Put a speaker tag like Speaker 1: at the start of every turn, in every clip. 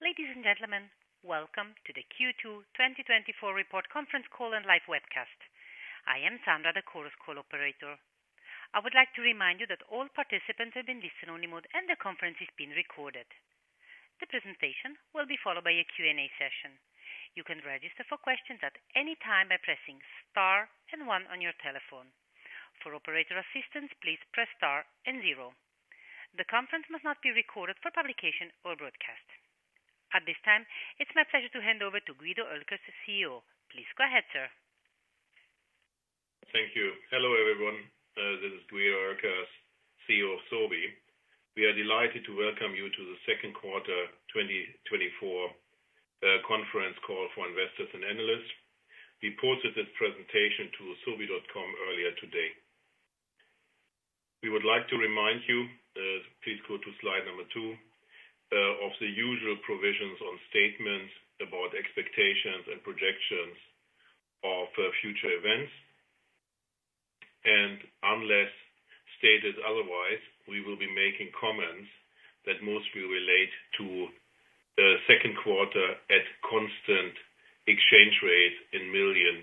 Speaker 1: Ladies and gentlemen, welcome to the Q2 2024 report conference call and live webcast. I am Sandra, the Chorus Call operator. I would like to remind you that all participants have been placed in listen-only mode, and the conference is being recorded. The presentation will be followed by a Q&A session. You can register for questions at any time by pressing star and one on your telephone. For operator assistance, please press star and zero. The conference must not be recorded for publication or broadcast. At this time, it's my pleasure to hand over to Guido Oelkers, CEO. Please go ahead, sir.
Speaker 2: Thank you. Hello, everyone, this is Guido Oelkers, CEO of Sobi. We are delighted to welcome you to the second quarter 2024 conference call for investors and analysts. We posted this presentation to sobi.com earlier today. We would like to remind you, please go to slide 2 of the usual provisions on statements about expectations and projections of future events. Unless stated otherwise, we will be making comments that mostly relate to the second quarter at constant exchange rates in SEK million.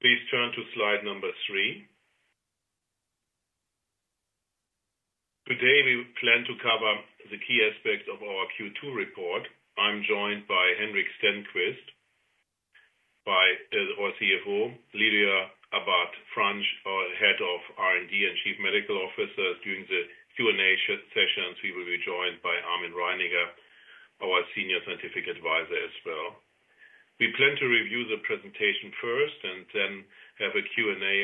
Speaker 2: Please turn to slide 3. Today, we plan to cover the key aspects of our Q2 report. I'm joined by Henrik Stenqvist, our CFO, Lydia Abad-Franch, our Head of R&D and Chief Medical Officer. During the Q&A session, we will be joined by Armin Reininger, our Senior Scientific Advisor as well. We plan to review the presentation first and then have a Q&A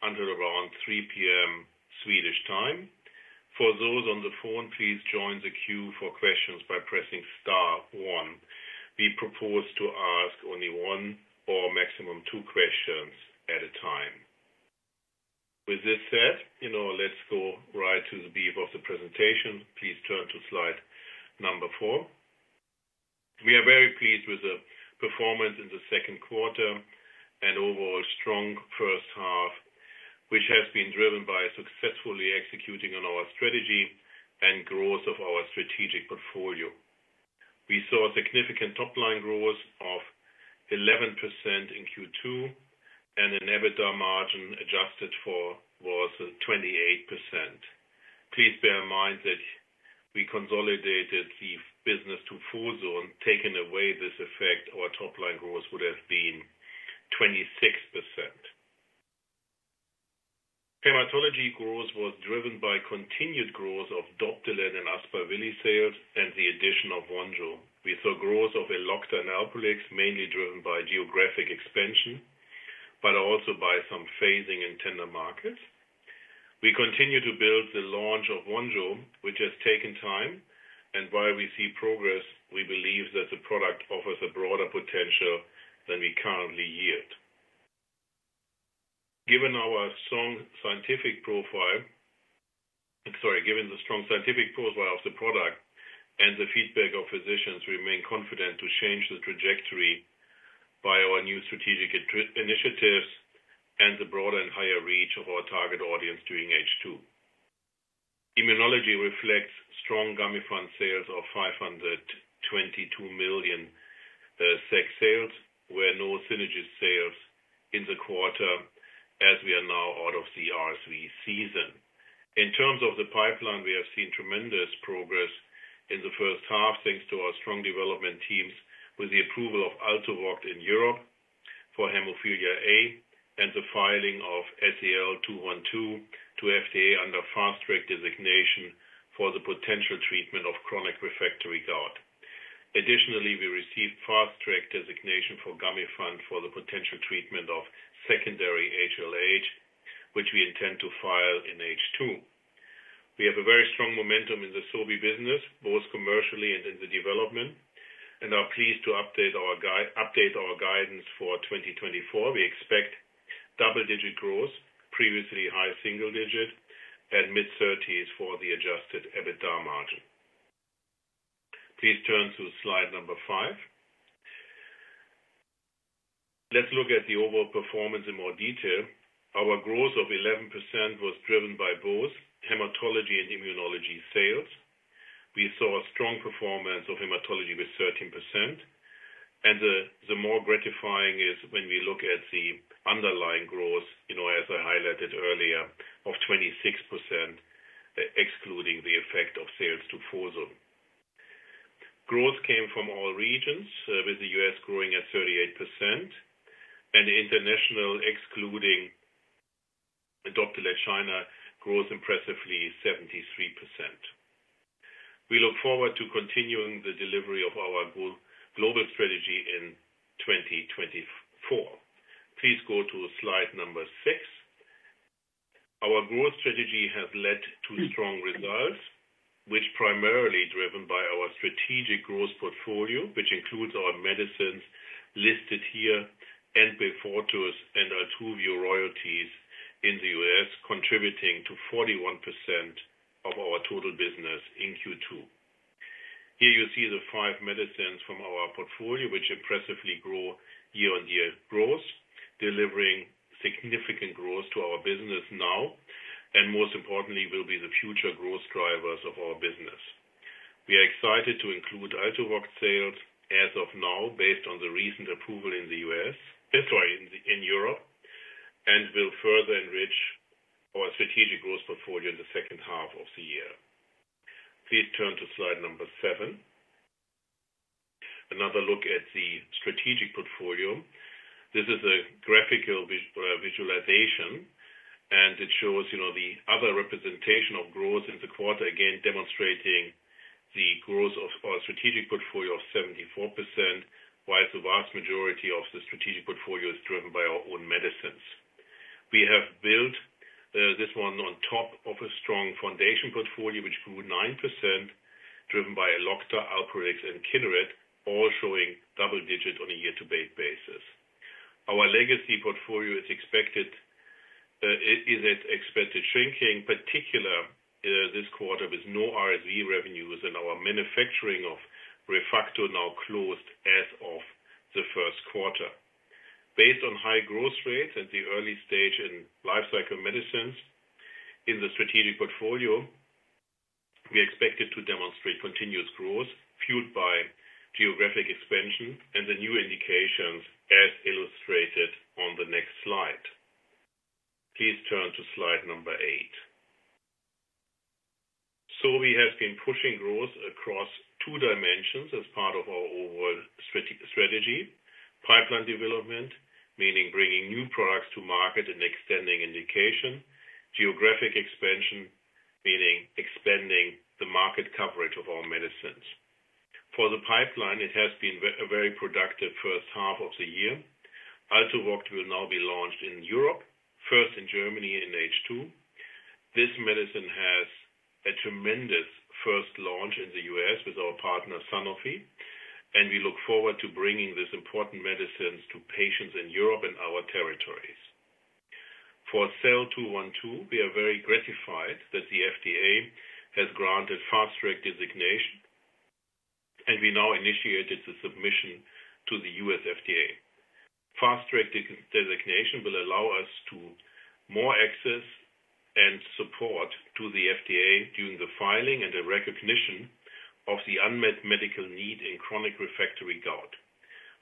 Speaker 2: until around 3 P.M. Swedish time. For those on the phone, please join the queue for questions by pressing star one. We propose to ask only 1 or maximum 2 questions at a time. With this said, you know, let's go right to the beef of the presentation. Please turn to slide number 4. We are very pleased with the performance in the second quarter and overall strong first half, which has been driven by successfully executing on our strategy and growth of our strategic portfolio. We saw a significant top-line growth of 11% in Q2, and an EBITDA margin adjusted for was 28%. Please bear in mind that we consolidated the business to Vonjo. Taking away this effect, our top-line growth would have been 26%. Hematology growth was driven by continued growth of Doptelet and Aspaveli sales and the addition of Vonjo. We saw growth of Elocta and Alprolix, mainly driven by geographic expansion, but also by some phasing in tender markets. We continue to build the launch of Vonjo, which has taken time, and while we see progress, we believe that the product offers a broader potential than we currently yield. Given our strong scientific profile... Sorry, given the strong scientific profile of the product and the feedback of physicians, we remain confident to change the trajectory by our new strategic initiatives and the broader and higher reach of our target audience during H2. Immunology reflects strong Gamifant sales of 522 million SEK, where no Synagis sales in the quarter as we are now out of the RSV season. In terms of the pipeline, we have seen tremendous progress in the first half, thanks to our strong development teams, with the approval of Altuvoct in Europe for hemophilia A and the filing of SEL-212 to FDA under Fast Track Designation for the potential treatment of chronic refractory gout. Additionally, we received Fast Track Designation for Gamifant for the potential treatment of secondary HLH, which we intend to file in H2. We have a very strong momentum in the Sobi business, both commercially and in the development, and are pleased to update our guide, update our guidance for 2024. We expect double-digit growth, previously high single digit, and mid-thirties for the adjusted EBITDA margin. Please turn to slide number 5. Let's look at the overall performance in more detail. Our growth of 11% was driven by both hematology and immunology sales. We saw a strong performance of hematology with 13%, and the more gratifying is when we look at the underlying growth, you know, as I highlighted earlier, of 26%, excluding the effect of sales to Fosun Pharma. Growth came from all regions, with the US growing at 38% and international, excluding Doptelet China, grows impressively 73%. We look forward to continuing the delivery of our global strategy in 2024. Please go to slide 6. Our growth strategy has led to strong results, which primarily driven by our strategic growth portfolio, which includes our medicines listed here, Enbrel, Beyfortus, and Synagis royalties in the US, contributing to 41% of our total business in Q2.... Here you see the five medicines from our portfolio, which impressively grow year-on-year growth, delivering significant growth to our business now, and most importantly, will be the future growth drivers of our business. We are excited to include Altuvoct sales as of now, based on the recent approval in the US, sorry, in, in Europe, and will further enrich our strategic growth portfolio in the second half of the year. Please turn to slide number seven. Another look at the strategic portfolio. This is a graphical visualization, and it shows, you know, the other representation of growth in the quarter, again, demonstrating the growth of our strategic portfolio of 74%, whilst the vast majority of the strategic portfolio is driven by our own medicines. We have built this one on top of a strong foundation portfolio, which grew 9%, driven by Elocta, Alprolix, and Kineret, all showing double-digit on a year-to-date basis. Our legacy portfolio is expected, it is expected shrinking, particularly this quarter, with no RSV revenues and our manufacturing of ReFacto now closed as of the first quarter. Based on high growth rates at the early stage in lifecycle medicines in the strategic portfolio, we expected to demonstrate continuous growth, fueled by geographic expansion and the new indications as illustrated on the next slide. Please turn to slide number 8. So we have been pushing growth across 2 dimensions as part of our overall strategy. Pipeline development, meaning bringing new products to market and extending indication. Geographic expansion, meaning expanding the market coverage of our medicines. For the pipeline, it has been a very productive first half of the year. Altuvoct will now be launched in Europe, first in Germany in H2. This medicine has a tremendous first launch in the U.S. with our partner, Sanofi, and we look forward to bringing this important medicine to patients in Europe and our territories. For SEL-212, we are very gratified that the FDA has granted fast-track designation, and we now have initiated the submission to the U.S. FDA. Fast-track designation will allow us more access and support to the FDA during the filing and the recognition of the unmet medical need in chronic refractory gout.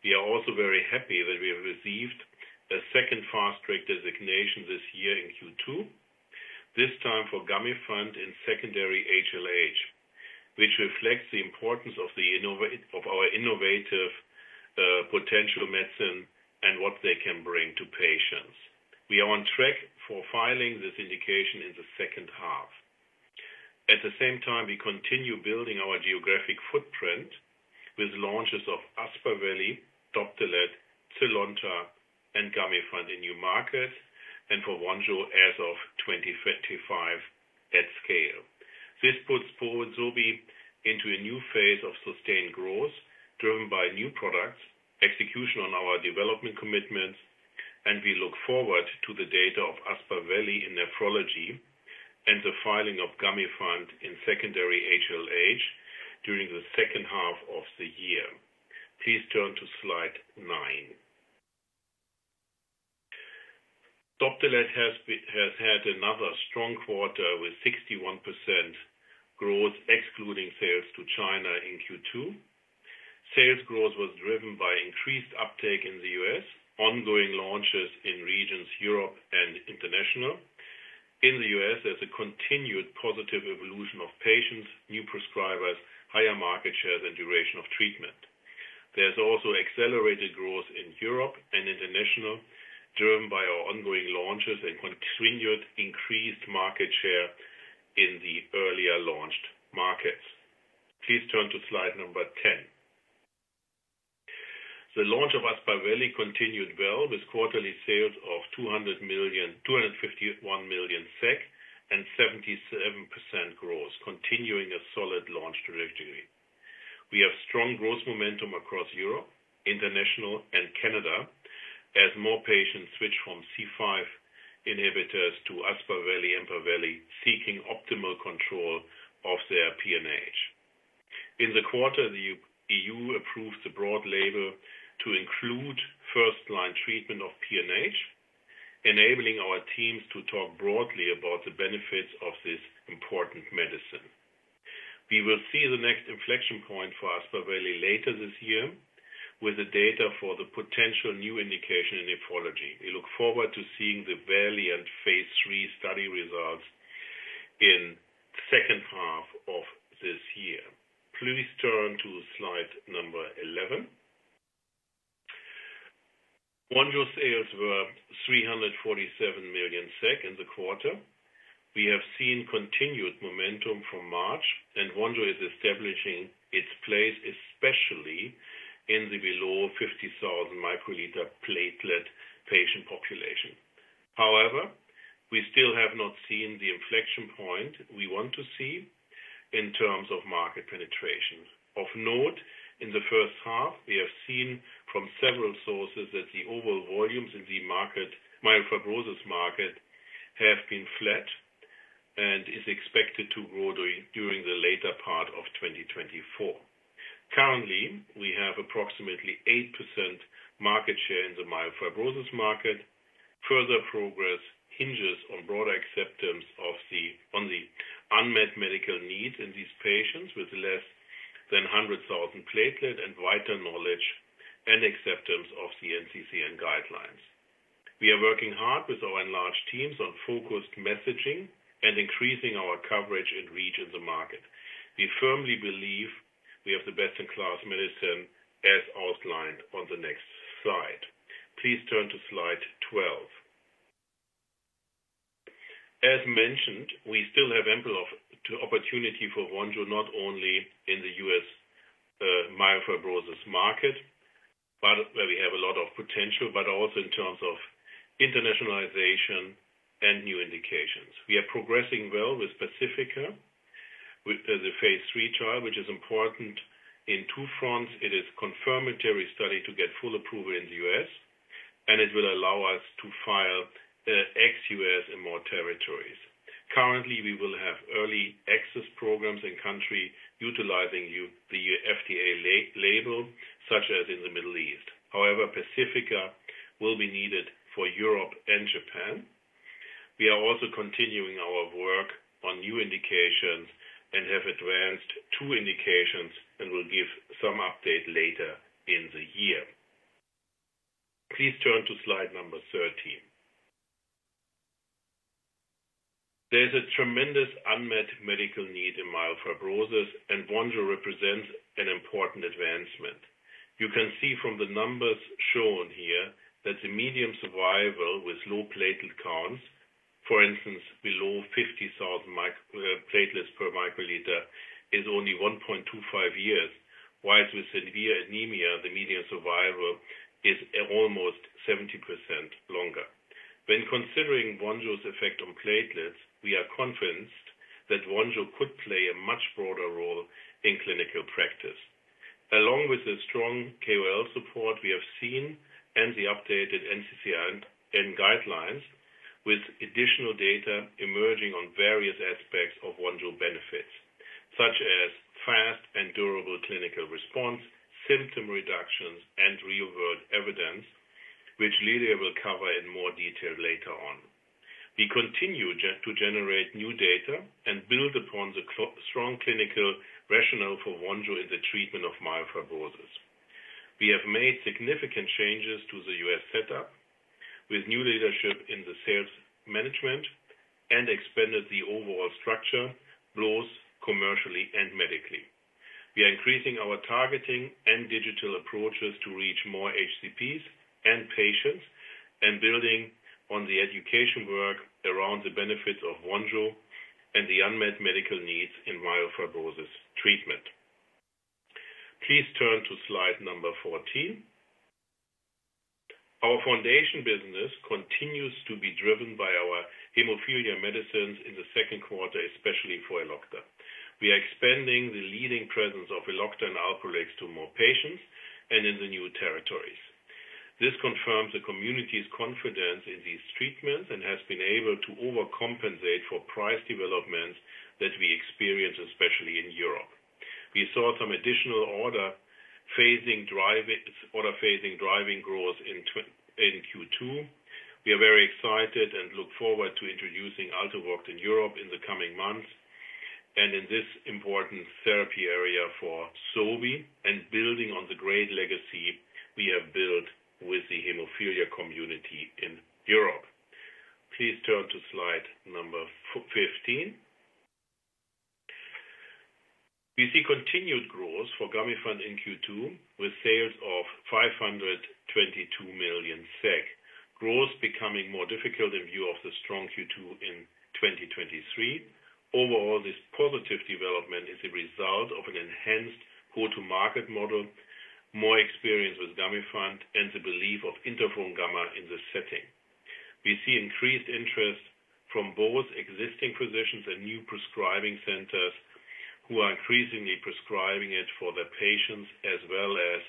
Speaker 2: We are also very happy that we have received a second fast-track designation this year in Q2, this time for Gamifant in secondary HLH, which reflects the importance of our innovative potential medicine and what they can bring to patients. We are on track for filing this indication in the second half. At the same time, we continue building our geographic footprint with launches of Aspaveli, Doptelet, Zynlonta, and Gamifant in new markets, and for Vonjo as of 2035 at scale. This puts forward Sobi into a new phase of sustained growth, driven by new products, execution on our development commitments, and we look forward to the data of Aspaveli in nephrology and the filing of Gamifant in secondary HLH during the second half of the year. Please turn to slide 9. Doptelet has had another strong quarter, with 61% growth, excluding sales to China in Q2. Sales growth was driven by increased uptake in the U.S., ongoing launches in regions Europe and international. In the U.S., there's a continued positive evolution of patients, new prescribers, higher market share, and duration of treatment. There's also accelerated growth in Europe and international, driven by our ongoing launches and continued increased market share in the earlier launched markets. Please turn to slide 10. The launch of Aspaveli continued well, with quarterly sales of 251 million SEK and 77% growth, continuing a solid launch trajectory. We have strong growth momentum across Europe, International, and Canada, as more patients switch from C5 inhibitors to Aspaveli, Empaveli, seeking optimal control of their PNH. In the quarter, the EU approved the broad label to include first-line treatment of PNH, enabling our teams to talk broadly about the benefits of this important medicine. We will see the next inflection point for Aspaveli later this year, with the data for the potential new indication in nephrology. We look forward to seeing the Valiant phase 3 study results in second half of this year. Please turn to slide 11. Vonjo sales were 347 million SEK in the quarter. We have seen continued momentum from March, and Vonjo is establishing its place, especially in the below 50,000 microliter platelet patient population. However, we still have not seen the inflection point we want to see in terms of market penetration. Of note, in the first half, we have seen from several sources that the overall volumes in the market, myelofibrosis market-... have been flat and is expected to grow during the later part of 2024. Currently, we have approximately 8% market share in the myelofibrosis market. Further progress hinges on broader acceptance of the, on the unmet medical needs in these patients, with less than 100,000 platelets and vital knowledge and acceptance of the NCCN guidelines. We are working hard with our enlarged teams on focused messaging and increasing our coverage and reach in the market. We firmly believe we have the best-in-class medicine, as outlined on the next slide. Please turn to slide 12. As mentioned, we still have ample opportunity for Vonjo, not only in the U.S. myelofibrosis market, but where we have a lot of potential, but also in terms of internationalization and new indications. We are progressing well with Pacifica, with the phase 3 trial, which is important in two fronts. It is confirmatory study to get full approval in the U.S., and it will allow us to file ex-U.S. in more territories. Currently, we will have early access programs in-country utilizing the FDA label, such as in the Middle East. However, Pacifica will be needed for Europe and Japan. We are also continuing our work on new indications and have advanced two indications, and we'll give some update later in the year. Please turn to slide number 13. There's a tremendous unmet medical need in myelofibrosis, and Vonjo represents an important advancement. You can see from the numbers shown here that the median survival with low platelet counts, for instance, below 50,000 platelets per microliter, is only 1.25 years. While with severe anemia, the median survival is almost 70% longer. When considering Vonjo's effect on platelets, we are convinced that Vonjo could play a much broader role in clinical practice. Along with the strong KOL support we have seen and the updated NCCN guidelines, with additional data emerging on various aspects of Vonjo benefits, such as fast and durable clinical response, symptom reductions, and real-world evidence, which Lydia will cover in more detail later on. We continue to generate new data and build upon the strong clinical rationale for Vonjo in the treatment of myelofibrosis. We have made significant changes to the U.S. setup, with new leadership in the sales management and expanded the overall structure, both commercially and medically. We are increasing our targeting and digital approaches to reach more HCPs and patients, and building on the education work around the benefits of Vonjo and the unmet medical needs in myelofibrosis treatment. Please turn to slide number 14. Our foundation business continues to be driven by our hemophilia medicines in the second quarter, especially for Elocta. We are expanding the leading presence of Elocta and Alprolix to more patients and in the new territories. This confirms the community's confidence in these treatments and has been able to overcompensate for price developments that we experience, especially in Europe. We saw some additional order phasing driving growth in Q2. We are very excited and look forward to introducing Altuvoct in Europe in the coming months, and in this important therapy area for Sobi, and building on the great legacy we have built with the hemophilia community in Europe. Please turn to slide number 15. We see continued growth for Gamifant in Q2, with sales of 522 million SEK. Growth becoming more difficult in view of the strong Q2 in 2023. Overall, this positive development is a result of an enhanced go-to-market model, more experience with Gamifant, and the belief of interferon gamma in this setting. We see increased interest from both existing physicians and new prescribing centers, who are increasingly prescribing it for their patients, as well as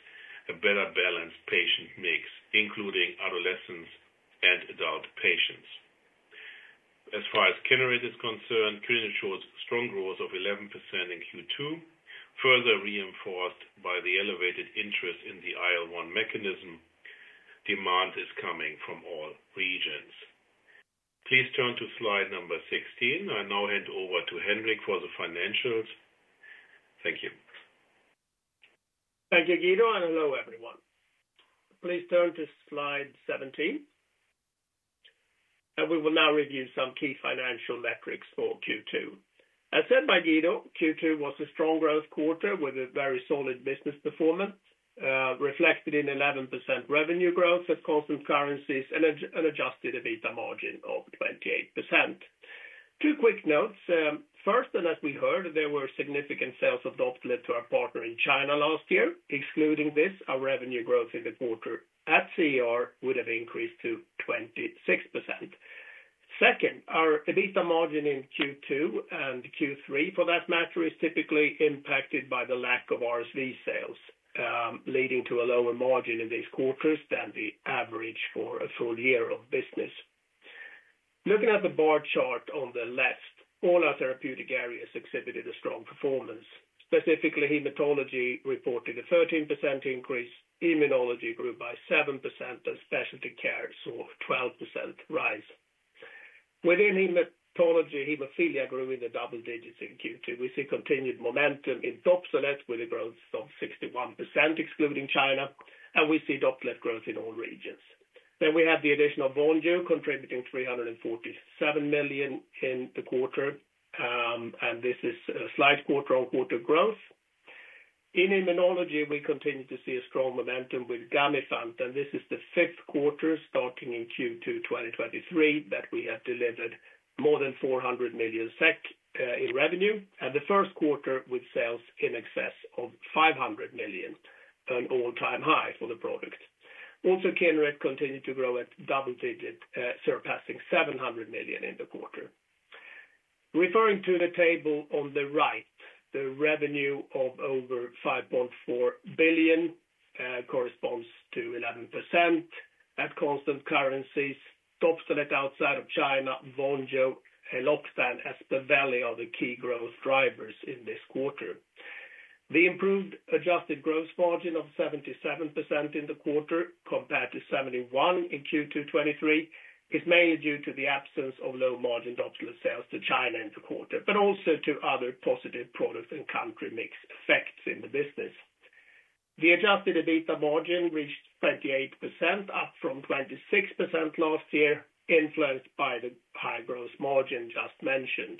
Speaker 2: a better-balanced patient mix, including adolescents and adult patients. As far as Kineret is concerned, Kineret shows strong growth of 11% in Q2, further reinforced by the elevated interest in the IL-1 mechanism. Demand is coming from all regions. Please turn to slide number 16. I now hand over to Henrik for the financials. Thank you.
Speaker 3: Thank you, Guido, and hello, everyone. Please turn to slide 17, and we will now review some key financial metrics for Q2. As said by Guido, Q2 was a strong growth quarter with a very solid business performance, reflected in 11% revenue growth at constant currencies and adjusted EBITDA margin of 28%. Two quick notes: first, and as we heard, there were significant sales of Doptelet to our partner in China last year. Excluding this, our revenue growth in the quarter at CER would have increased to 26%. Second, our EBITDA margin in Q2, and Q3 for that matter, is typically impacted by the lack of RSV sales, leading to a lower margin in these quarters than the average for a full year of business. Looking at the bar chart on the left, all our therapeutic areas exhibited a strong performance. Specifically, hematology reported a 13% increase, immunology grew by 7%, and specialty care saw a 12% rise. Within hematology, hemophilia grew in the double digits in Q2. We see continued momentum in Doptelet, with a growth of 61%, excluding China, and we see Doptelet growth in all regions. Then we have the addition of Vonjo, contributing 347 million in the quarter, and this is a slight quarter-on-quarter growth. In immunology, we continue to see a strong momentum with Gamifant, and this is the fifth quarter, starting in Q2 2023, that we have delivered more than 400 million SEK in revenue, and the first quarter with sales in excess of 500 million, an all-time high for the product. Also, Kineret continued to grow at double digits, surpassing 700 million in the quarter. Referring to the table on the right, the revenue of over 5.4 billion corresponds to 11% at constant currencies. Doptelet outside of China, Vonjo, Elocta, Aspaveli, are the key growth drivers in this quarter. The improved adjusted gross margin of 77% in the quarter, compared to 71% in Q2 2023, is mainly due to the absence of low-margin Doptelet sales to China in the quarter, but also to other positive products and country mix effects in the business. The adjusted EBITDA margin reached 28%, up from 26% last year, influenced by the high growth margin just mentioned.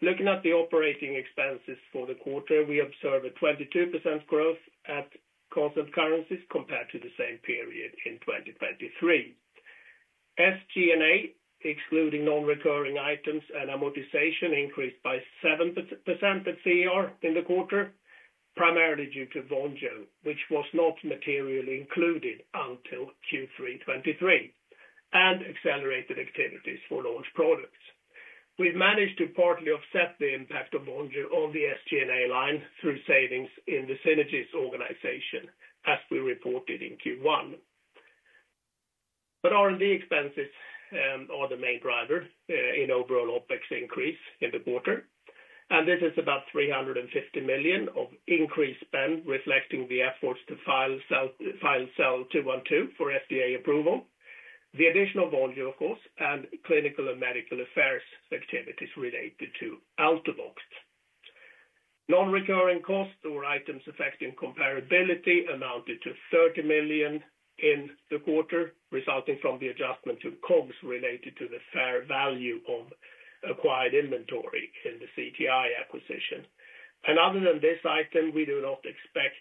Speaker 3: Looking at the operating expenses for the quarter, we observe a 22% growth at constant currencies compared to the same period in 2023. SG&A, excluding non-recurring items and amortization, increased by 7% at CER in the quarter, primarily due to Vonjo, which was not materially included until Q3 2023, and accelerated activities for launch products. We've managed to partly offset the impact of Vonjo on the SG&A line through savings in the Synagis organization, as we reported in Q1. But R&D expenses are the main driver in overall OPEX increase in the quarter, and this is about 350 million of increased spend, reflecting the efforts to file SEL-212 for FDA approval. The additional volume, of course, and clinical and medical affairs activities related to Altuvoct. Non-recurring costs or items affecting comparability amounted to 30 million in the quarter, resulting from the adjustment to COGS related to the fair value of acquired inventory in the CTI acquisition. Other than this item, we do not expect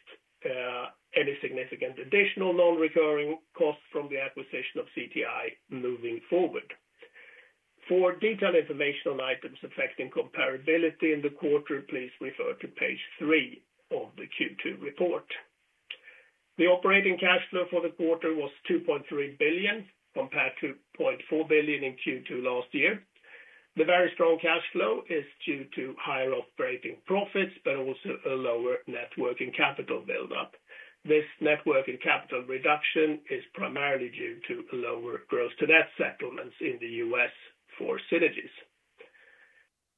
Speaker 3: any significant additional non-recurring costs from the acquisition of CTI moving forward. For detailed information on items affecting comparability in the quarter, please refer to page 3 of the Q2 report. The operating cash flow for the quarter was 2.3 billion, compared to 0.4 billion in Q2 last year. The very strong cash flow is due to higher operating profits, but also a lower net working capital buildup. This net working capital reduction is primarily due to lower gross-to-debt settlements in the U.S. for Synagis.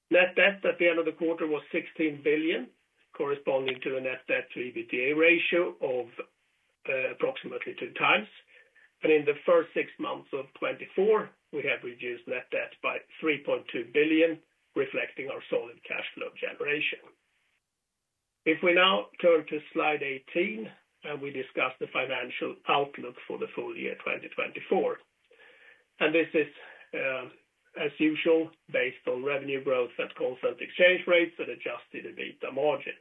Speaker 3: Net debt at the end of the quarter was 16 billion, corresponding to a net debt to EBITDA ratio of approximately 2x. In the first six months of 2024, we have reduced net debt by 3.2 billion, reflecting our solid cash flow generation. If we now turn to slide 18, and we discuss the financial outlook for the full year, 2024. This is, as usual, based on revenue growth at constant exchange rates and adjusted EBITDA margin.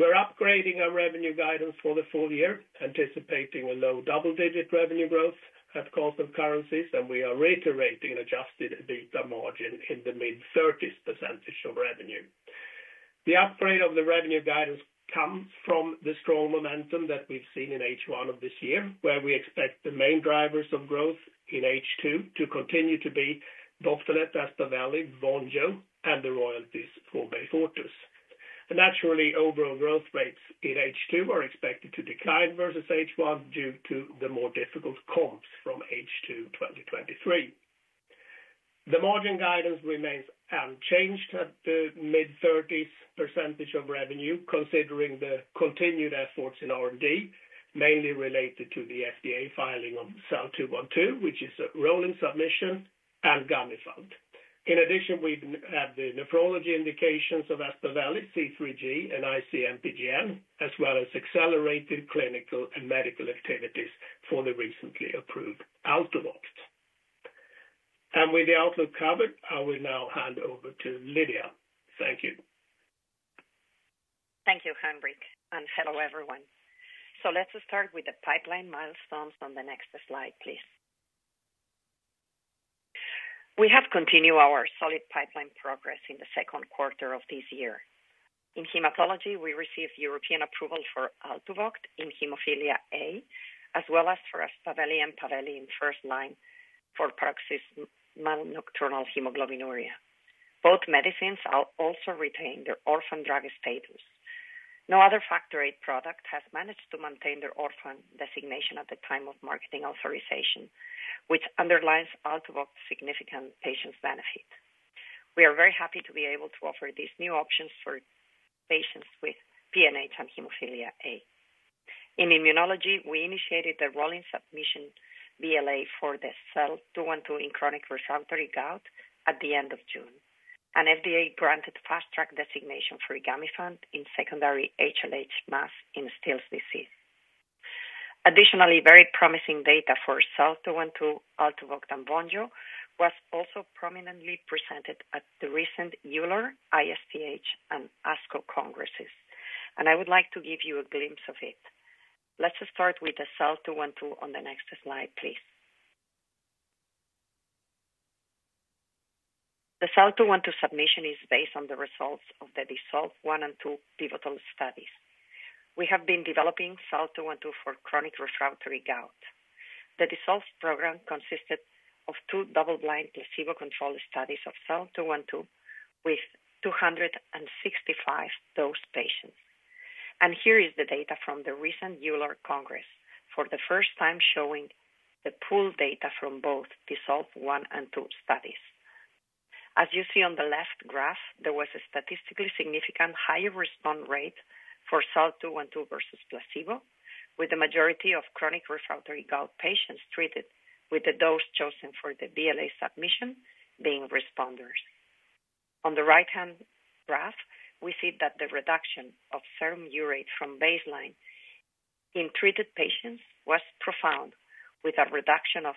Speaker 3: We're upgrading our revenue guidance for the full year, anticipating a low double-digit revenue growth at constant currencies, and we are reiterating an adjusted EBITDA margin in the mid-thirties% of revenue. The upgrade of the revenue guidance comes from the strong momentum that we've seen in H1 of this year, where we expect the main drivers of growth in H2 to continue to be Doptelet, Aspaveli, Vonjo, and the royalties for Beyfortus. Naturally, overall growth rates in H2 are expected to decline versus H1 due to the more difficult comps from H2, 2023. The margin guidance remains unchanged at the mid-thirties % of revenue, considering the continued efforts in R&D, mainly related to the FDA filing of SEL-212, which is a rolling submission, and Gamifant. In addition, we have the nephrology indications of Aspaveli, C3G and IC-MPGN, as well as accelerated clinical and medical activities for the recently approved Altuvoct. With the outlook covered, I will now hand over to Lydia. Thank you.
Speaker 4: Thank you, Henrik, and hello, everyone. So let's start with the pipeline milestones on the next slide, please. We have continued our solid pipeline progress in the second quarter of this year. In hematology, we received European approval for Altuvoct in hemophilia A, as well as for Aspaveli and Empaveli in first line for paroxysmal nocturnal hemoglobinuria. Both medicines are also retained their orphan drug status.... No other factor VIII product has managed to maintain their orphan designation at the time of marketing authorization, which underlines Altuvoct's significant patients' benefit. We are very happy to be able to offer these new options for patients with PNH and hemophilia A. In immunology, we initiated the rolling submission BLA for the SEL-212 in chronic refractory gout at the end of June, and FDA granted Fast Track designation for Gamifant in secondary HLH MAS in Still's disease. Additionally, very promising data for SEL-212, Altuvoct, and Vonjo was also prominently presented at the recent EULAR, ISTH, and ASCO congresses, and I would like to give you a glimpse of it. Let's start with the SEL-212 on the next slide, please. The SEL-212 submission is based on the results of the DISSOLVE-1 and 2 pivotal studies. We have been developing SEL-212 for chronic refractory gout. The DISSOLVE program consisted of two double-blind, placebo-controlled studies of SEL-212 with 265 dosed patients. Here is the data from the recent EULAR Congress, for the first time showing the pooled data from both DISSOLVE-1 and 2 studies. As you see on the left graph, there was a statistically significant higher response rate for SEL-212 versus placebo, with the majority of chronic refractory gout patients treated with the dose chosen for the BLA submission being responders. On the right-hand graph, we see that the reduction of serum urate from baseline in treated patients was profound, with a reduction of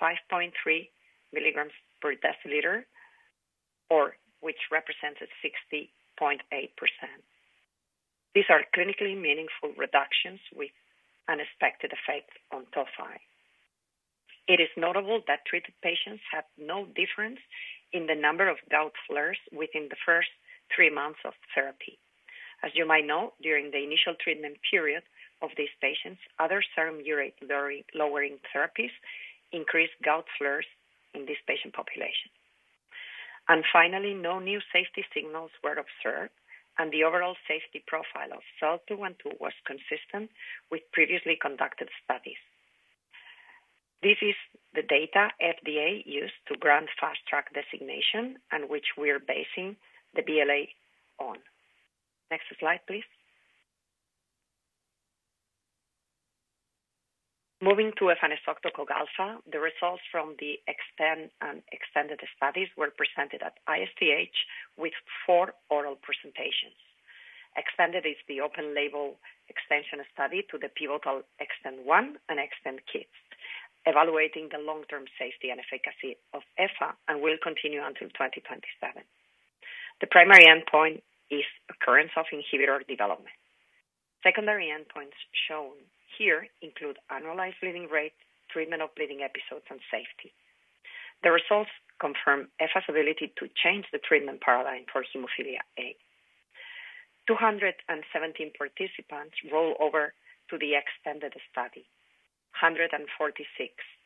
Speaker 4: 5.53 milligrams per deciliter, which represented 60.8%. These are clinically meaningful reductions with unexpected effect on tophi. It is notable that treated patients have no difference in the number of gout flares within the first three months of therapy. As you might know, during the initial treatment period of these patients, other serum urate lowering therapies increased gout flares in this patient population. Finally, no new safety signals were observed, and the overall safety profile of SEL-212 was consistent with previously conducted studies. This is the data FDA used to grant Fast Track designation and which we are basing the BLA on. Next slide, please. Moving to efanesoctocog alfa, the results from the EXTEND and EXTENDED studies were presented at ISTH with four oral presentations. EXTENDED is the open label extension study to the pivotal EXTEND-1 and EXTEND-Kids, evaluating the long-term safety and efficacy of EFA, and will continue until 2027. The primary endpoint is occurrence of inhibitor development. Secondary endpoints shown here include annualized bleeding rate, treatment of bleeding episodes, and safety. The results confirm EFA's ability to change the treatment paradigm for hemophilia A. 217 participants roll over to the EXTENDED study, 146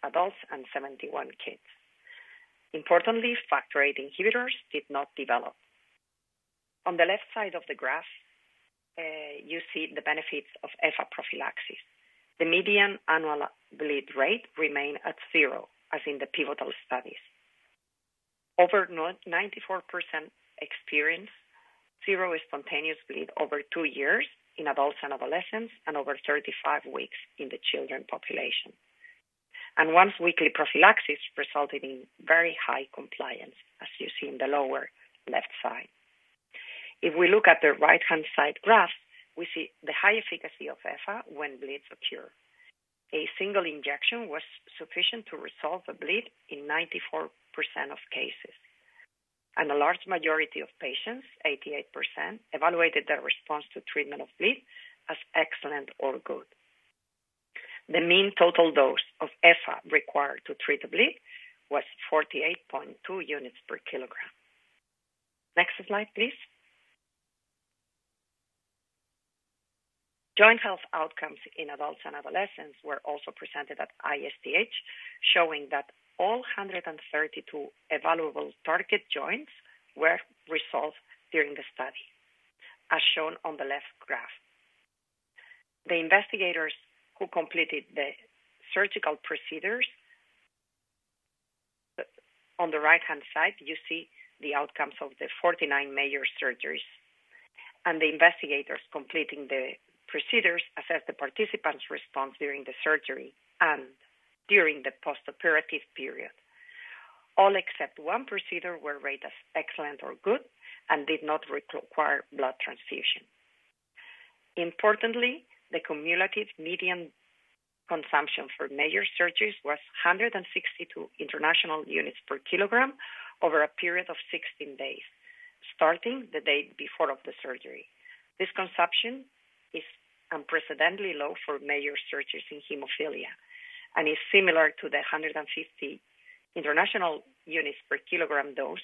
Speaker 4: adults and 71 kids. Importantly, factor VIII inhibitors did not develop. On the left side of the graph, you see the benefits of EFA prophylaxis. The median annual bleed rate remained at zero, as in the pivotal studies. Over 94% experience zero spontaneous bleed over 2 years in adults and adolescents and over 35 weeks in the children population. Once-weekly prophylaxis resulted in very high compliance, as you see in the lower left side. If we look at the right-hand side graph, we see the high efficacy of EFA when bleeds occur. A single injection was sufficient to resolve a bleed in 94% of cases, and a large majority of patients, 88%, evaluated their response to treatment of bleed as excellent or good. The mean total dose of EFA required to treat a bleed was 48.2 units per kilogram. Next slide, please. Joint health outcomes in adults and adolescents were also presented at ISTH, showing that all 132 evaluable target joints were resolved during the study, as shown on the left graph. The investigators who completed the surgical procedures, on the right-hand side, you see the outcomes of the 49 major surgeries, and the investigators completing the procedures assessed the participants' response during the surgery and during the postoperative period. All except one procedure were rated as excellent or good and did not require blood transfusion. Importantly, the cumulative median consumption for major surgeries was 162 international units per kilogram over a period of 16 days, starting the day before the surgery. This consumption is unprecedentedly low for major surgeries in hemophilia and is similar to the 150 international units per kilogram dose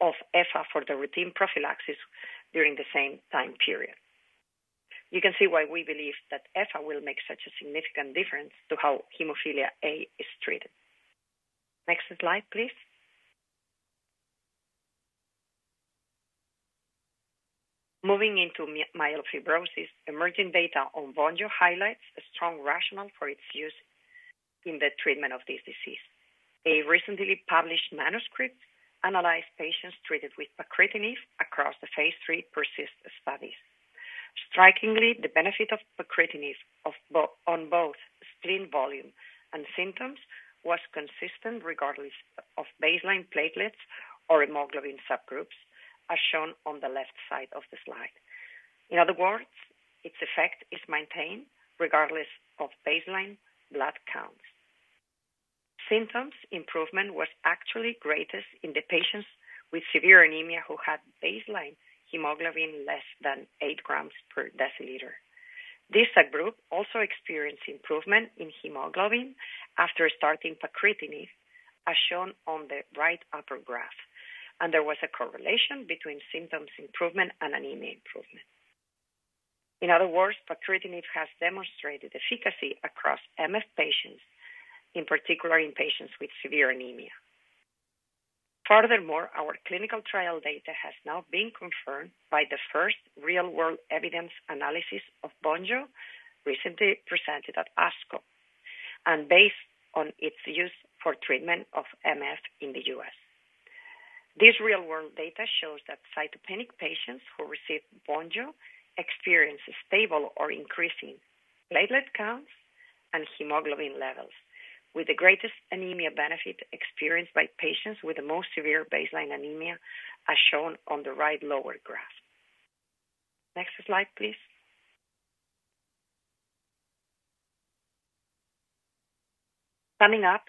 Speaker 4: of EFA for the routine prophylaxis during the same time period. You can see why we believe that EFA will make such a significant difference to how hemophilia A is treated. Next slide, please. Moving into myelofibrosis, emerging data on Vonjo highlights a strong rationale for its use in the treatment of this disease. A recently published manuscript analyzed patients treated with pacritinib across the phase three persist studies. Strikingly, the benefit of pacritinib on both spleen volume and symptoms was consistent regardless of baseline platelets or hemoglobin subgroups, as shown on the left side of the slide. In other words, its effect is maintained regardless of baseline blood counts. Symptoms improvement was actually greatest in the patients with severe anemia who had baseline hemoglobin less than eight grams per deciliter. This subgroup also experienced improvement in hemoglobin after starting pacritinib, as shown on the right upper graph, and there was a correlation between symptoms improvement and anemia improvement. In other words, pacritinib has demonstrated efficacy across MF patients, in particular in patients with severe anemia. Furthermore, our clinical trial data has now been confirmed by the first real-world evidence analysis of Vonjo, recently presented at ASCO, and based on its use for treatment of MF in the US. This real-world data shows that cytopenic patients who receive Vonjo experience a stable or increasing platelet counts and hemoglobin levels, with the greatest anemia benefit experienced by patients with the most severe baseline anemia, as shown on the right lower graph. Next slide, please. Summing up,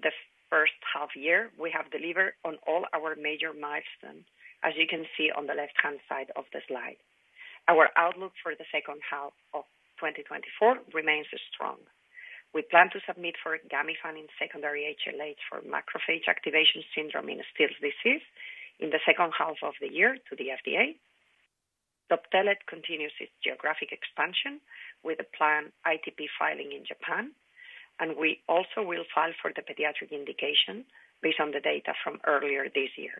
Speaker 4: the first half year, we have delivered on all our major milestones, as you can see on the left-hand side of the slide. Our outlook for the second half of 2024 remains strong. We plan to submit for Gamifant secondary HLH for macrophage activation syndrome in Still's disease in the second half of the year to the FDA. Doptelet continues its geographic expansion with a planned ITP filing in Japan, and we also will file for the pediatric indication based on the data from earlier this year.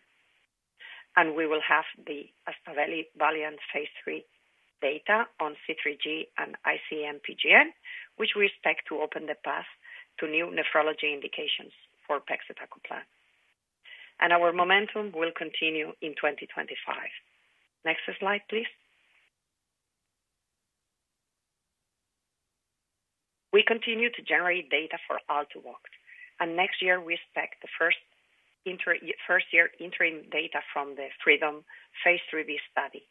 Speaker 4: We will have the Aspaveli Valiant phase 3 data on C3G and IC-MPGN, which we expect to open the path to new nephrology indications for pegcetacoplan. Our momentum will continue in 2025. Next slide, please. We continue to generate data for Altuvoct, and next year we expect the first year interim data from the Freedom phase 3B study.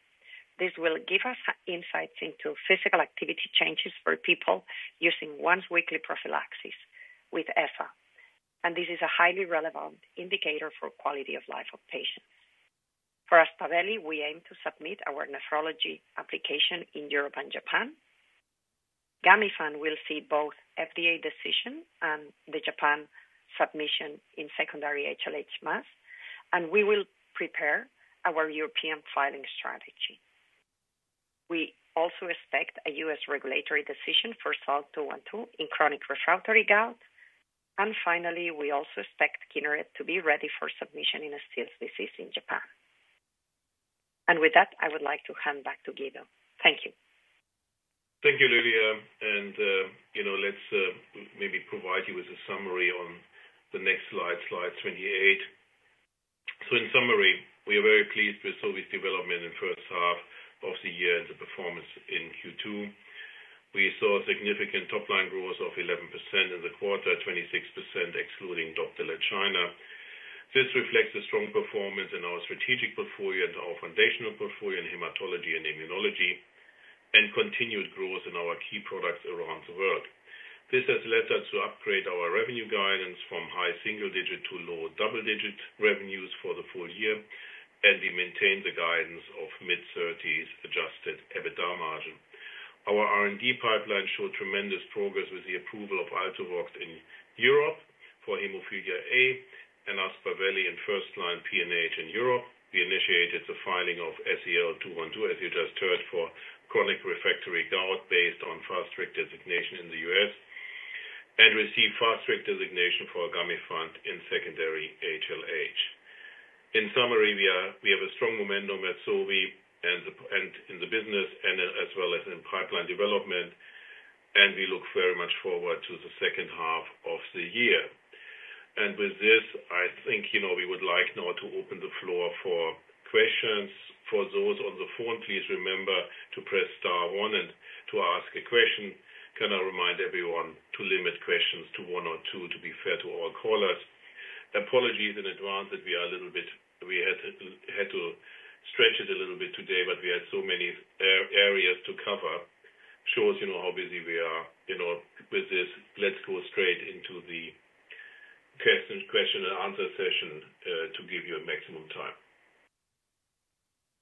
Speaker 4: This will give us insights into physical activity changes for people using once weekly prophylaxis with EFA, and this is a highly relevant indicator for quality of life of patients. For Aspaveli, we aim to submit our nephrology application in Europe and Japan. Gamifant will see both FDA decision and the Japan submission in secondary HLH MAS, and we will prepare our European filing strategy. We also expect a U.S. regulatory decision for SEL-212 in chronic refractory gout. And finally, we also expect Kineret to be ready for submission in a Still's disease in Japan. And with that, I would like to hand back to Guido. Thank you.
Speaker 2: Thank you, Lydia. You know, let's maybe provide you with a summary on the next slide, slide 28. So in summary, we are very pleased with Sobi's development in first half of the year and the performance in Q2. We saw significant top-line growth of 11% in the quarter, 26%, excluding Doptelet China. This reflects the strong performance in our strategic portfolio and our foundational portfolio in hematology and immunology, and continued growth in our key products around the world. This has led us to upgrade our revenue guidance from high single-digit to low double-digit revenues for the full year, and we maintain the guidance of mid-30s Adjusted EBITDA margin. Our R&D pipeline showed tremendous progress with the approval of Altuvoct in Europe for hemophilia A and Aspaveli in first-line PNH in Europe. We initiated the filing of SEL-212, as you just heard, for chronic refractory gout based on fast track designation in the U.S., and received fast track designation for Gamifant in secondary HLH. In summary, we have a strong momentum at Sobi and in the business, as well as in pipeline development, and we look very much forward to the second half of the year. With this, I think, you know, we would like now to open the floor for questions. For those on the phone, please remember to press star one and to ask a question. Can I remind everyone to limit questions to one or two, to be fair to all callers? Apologies in advance that we are a little bit, we had to stretch it a little bit today, but we had so many areas to cover. Shows, you know, how busy we are. You know, with this, let's go straight into the question, question and answer session, to give you a maximum time.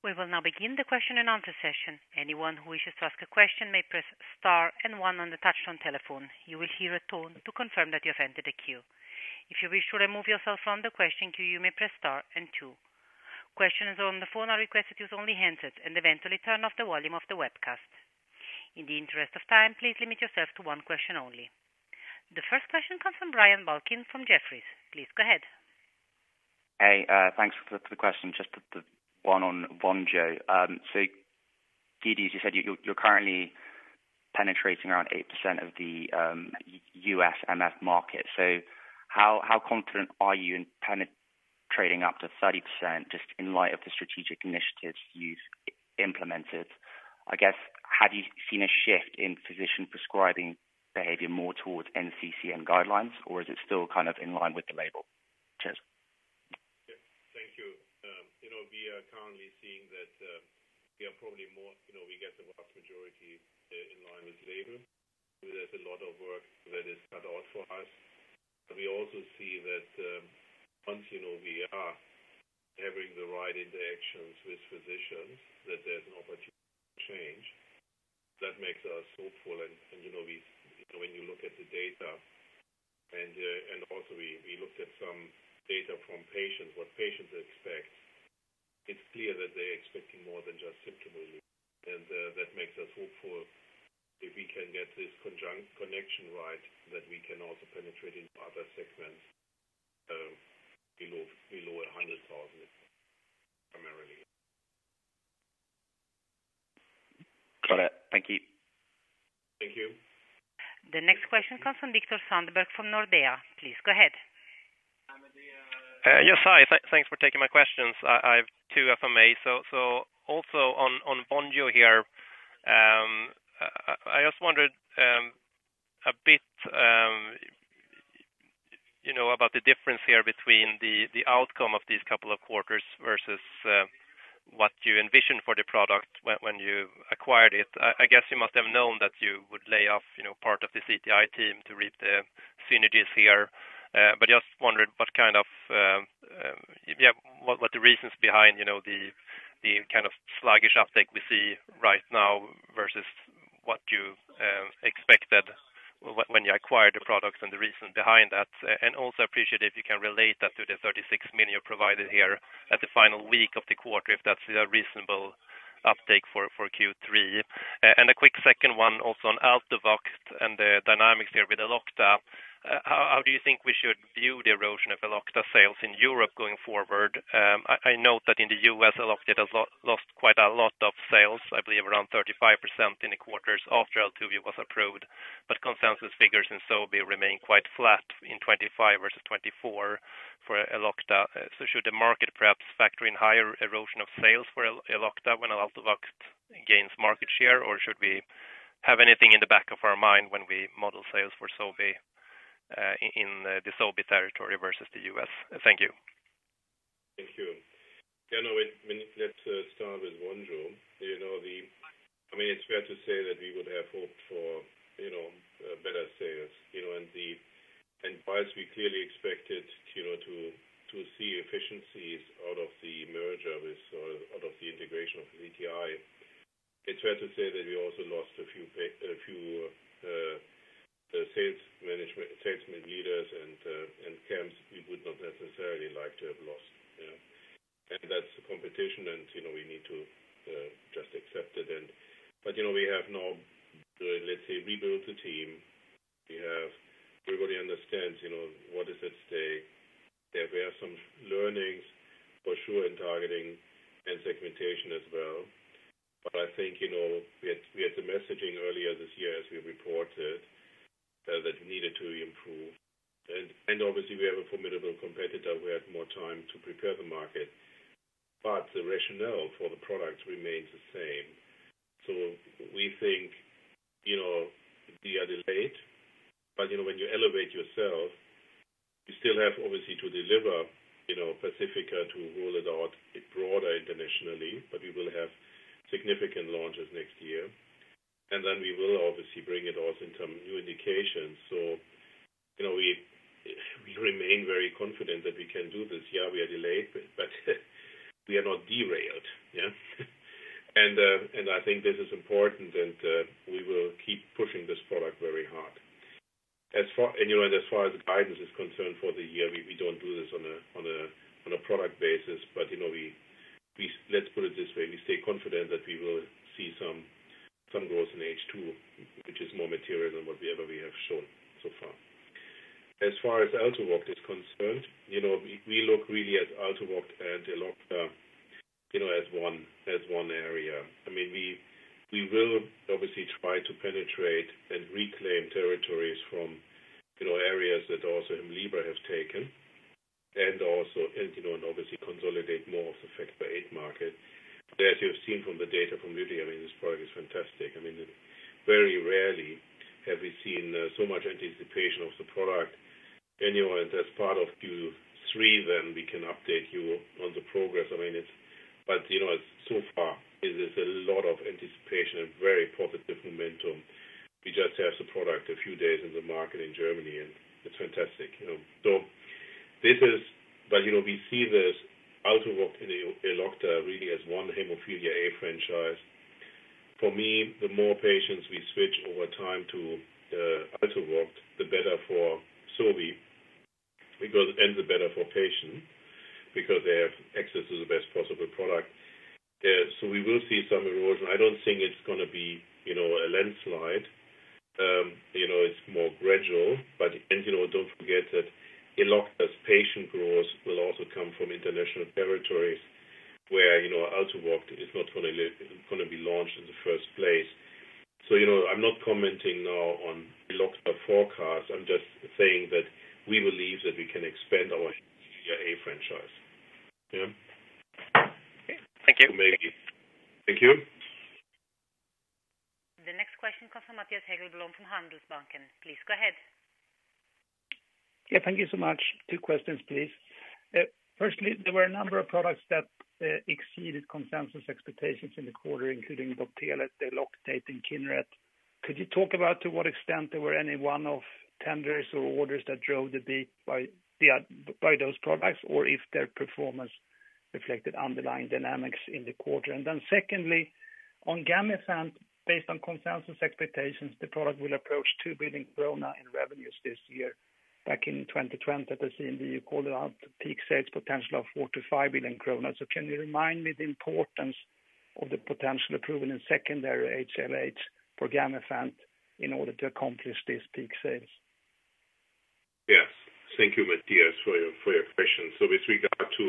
Speaker 1: We will now begin the question and answer session. Anyone who wishes to ask a question may press star and one on the touch-tone telephone. You will hear a tone to confirm that you have entered the queue. If you wish to remove yourself from the question queue, you may press star and two. Questions on the phone are requested to use only the handset, and please turn off the volume of the webcast. In the interest of time, please limit yourself to one question only. The first question comes from Brian Balchin from Jefferies. Please go ahead.
Speaker 5: Hey, thanks for the one on Vonjo. So Guido, you said you're currently penetrating around 8% of the US MF market. So how confident are you in penetrating up to 30%, just in light of the strategic initiatives you've implemented? I guess, have you seen a shift in physician prescribing behavior more towards NCCN guidelines, or is it still kind of in line with the label? Cheers.
Speaker 2: Yeah. Thank you. You know, we are currently seeing that we are probably more, you know, we get the vast majority in line with label. There's a lot of work that is cut out for us. We also see that once, you know, we are having the right interactions with physicians, that there's an opportunity to change. That makes us hopeful and, you know, when you look at the data and also we looked at some data from patients, what patients expect, it's clear that they're expecting more than just symptom relief. And that makes us hopeful if we can get this correct connection right, that we can also penetrate into other segments, so below 100,000, primarily.
Speaker 5: Got it. Thank you.
Speaker 2: Thank you.
Speaker 1: The next question comes from Viktor Sandberg, from Nordea. Please, go ahead.
Speaker 5: Yes. Hi, thanks for taking my questions. I have two FMA. So also on Vonjo here, I just wondered a bit, you know, about the difference here between the outcome of these couple of quarters versus what you envisioned for the product when you acquired it. I guess you must have known that you would lay off, you know, part of the CTI team to reap the Synagis here. But just wondered what kind of, yeah, what the reasons behind, you know, the kind of sluggish uptake we see right now versus what you expected when you acquired the products and the reason behind that. I also appreciate if you can relate that to the 36 million you provided here at the final week of the quarter, if that's a reasonable uptake for Q3. And a quick second one, also on Altuvoct and the dynamics there with Elocta. How do you think we should view the erosion of Elocta sales in Europe going forward? I note that in the U.S., Elocta has lost quite a lot of sales, I believe around 35% in the quarters after Altuviiio was approved, but consensus figures in Sobi remain quite flat in 2025 versus 2024 for Elocta. So should the market perhaps factor in higher erosion of sales for Elocta when Altuvoct gains market share? Or should we have anything in the back of our mind when we model sales for Sobi, in the Sobi territory versus the U.S.? Thank you.
Speaker 2: Thank you. Yeah, no, let's start with Vonjo. You know, I mean, it's fair to say that we would have hoped for, you know, better sales. You know, and whilst we clearly expected, you know, to see efficiencies out of the merger with, out of the integration of CTI, it's fair to say that we also lost a few sales management, salesmen leaders and camps, we would not necessarily like to have lost. Yeah. And that's the competition, and, you know, we need to just accept it and... But, you know, we have now, let's say, rebuilt the team. We have everybody understands, you know, what is at stake. That we have some learnings for sure, in targeting and segmentation as well. But I think, you know, we had, we had the messaging earlier this year as we reported that we needed to improve. And obviously, we have a formidable competitor. We had more time to prepare the market, but the rationale for the product remains the same. So we think, you know, we are delayed, but, you know, when you elevate yourself, you still have, obviously, to deliver Aspaveli, to roll it out broader internationally, but we will have significant launches next year. And then we will obviously bring it also in some new indications. So, you know, we remain very confident that we can do this. Yeah, we are delayed, but we are not derailed. Yeah? And I think this is important, and we will keep pushing this product very hard. As far as the guidance is concerned for the year, we don't do this on a product basis, but, you know, let's put it this way: We stay confident that we will see some growth in H2, which is more material than whatever we have shown so far. As far as Altuvoct is concerned, you know, we look really at Altuvoct and Elocta, you know, as one area. I mean, we will obviously try to penetrate and reclaim territories from, you know, areas that also Hemlibra have taken, and, you know, obviously consolidate more of the factor VIII market. But as you have seen from the data from Lydia, I mean, this product is fantastic. I mean, very rarely have we seen so much anticipation of the product. Anyway, as part of Q3, then we can update you on the progress. I mean, it's-- But, you know, so far, it is a lot of anticipation and very positive momentum. We just have the product a few days in the market in Germany, and it's fantastic, you know. So this is... But, you know, we see this Altuvoct and Elocta really as one hemophilia A franchise.... For me, the more patients we switch over time to Altuvoct, the better for Sobi, because and the better for patient, because they have access to the best possible product. So we will see some erosion. I don't think it's gonna be, you know, a landslide. You know, it's more gradual, but, you know, don't forget that Elocta's patient growth will also come from international territories where, you know, Altuvoct is not gonna be launched in the first place. So, you know, I'm not commenting now on Elocta forecast. I'm just saying that we believe that we can expand our franchise. Yeah.
Speaker 5: Thank you.
Speaker 2: Thank you.
Speaker 1: The next question comes from Mattias Häggblom from Handelsbanken. Please go ahead.
Speaker 5: Yeah, thank you so much. Two questions, please. Firstly, there were a number of products that exceeded consensus expectations in the quarter, including Doptelet, Elocta, and Kineret. Could you talk about to what extent there were any one-off tenders or orders that drove the peak by the, by those products, or if their performance reflected underlying dynamics in the quarter? And then secondly, on Gamifant, based on consensus expectations, the product will approach 2 billion krona in revenues this year. Back in 2020, at the CMU, you called out the peak sales potential of 4 billion-5 billion kronor. So can you remind me the importance of the potential approval in secondary HLH for Gamifant in order to accomplish this peak sales?
Speaker 2: Yes. Thank you, Mattias, for your questions. So with regard to,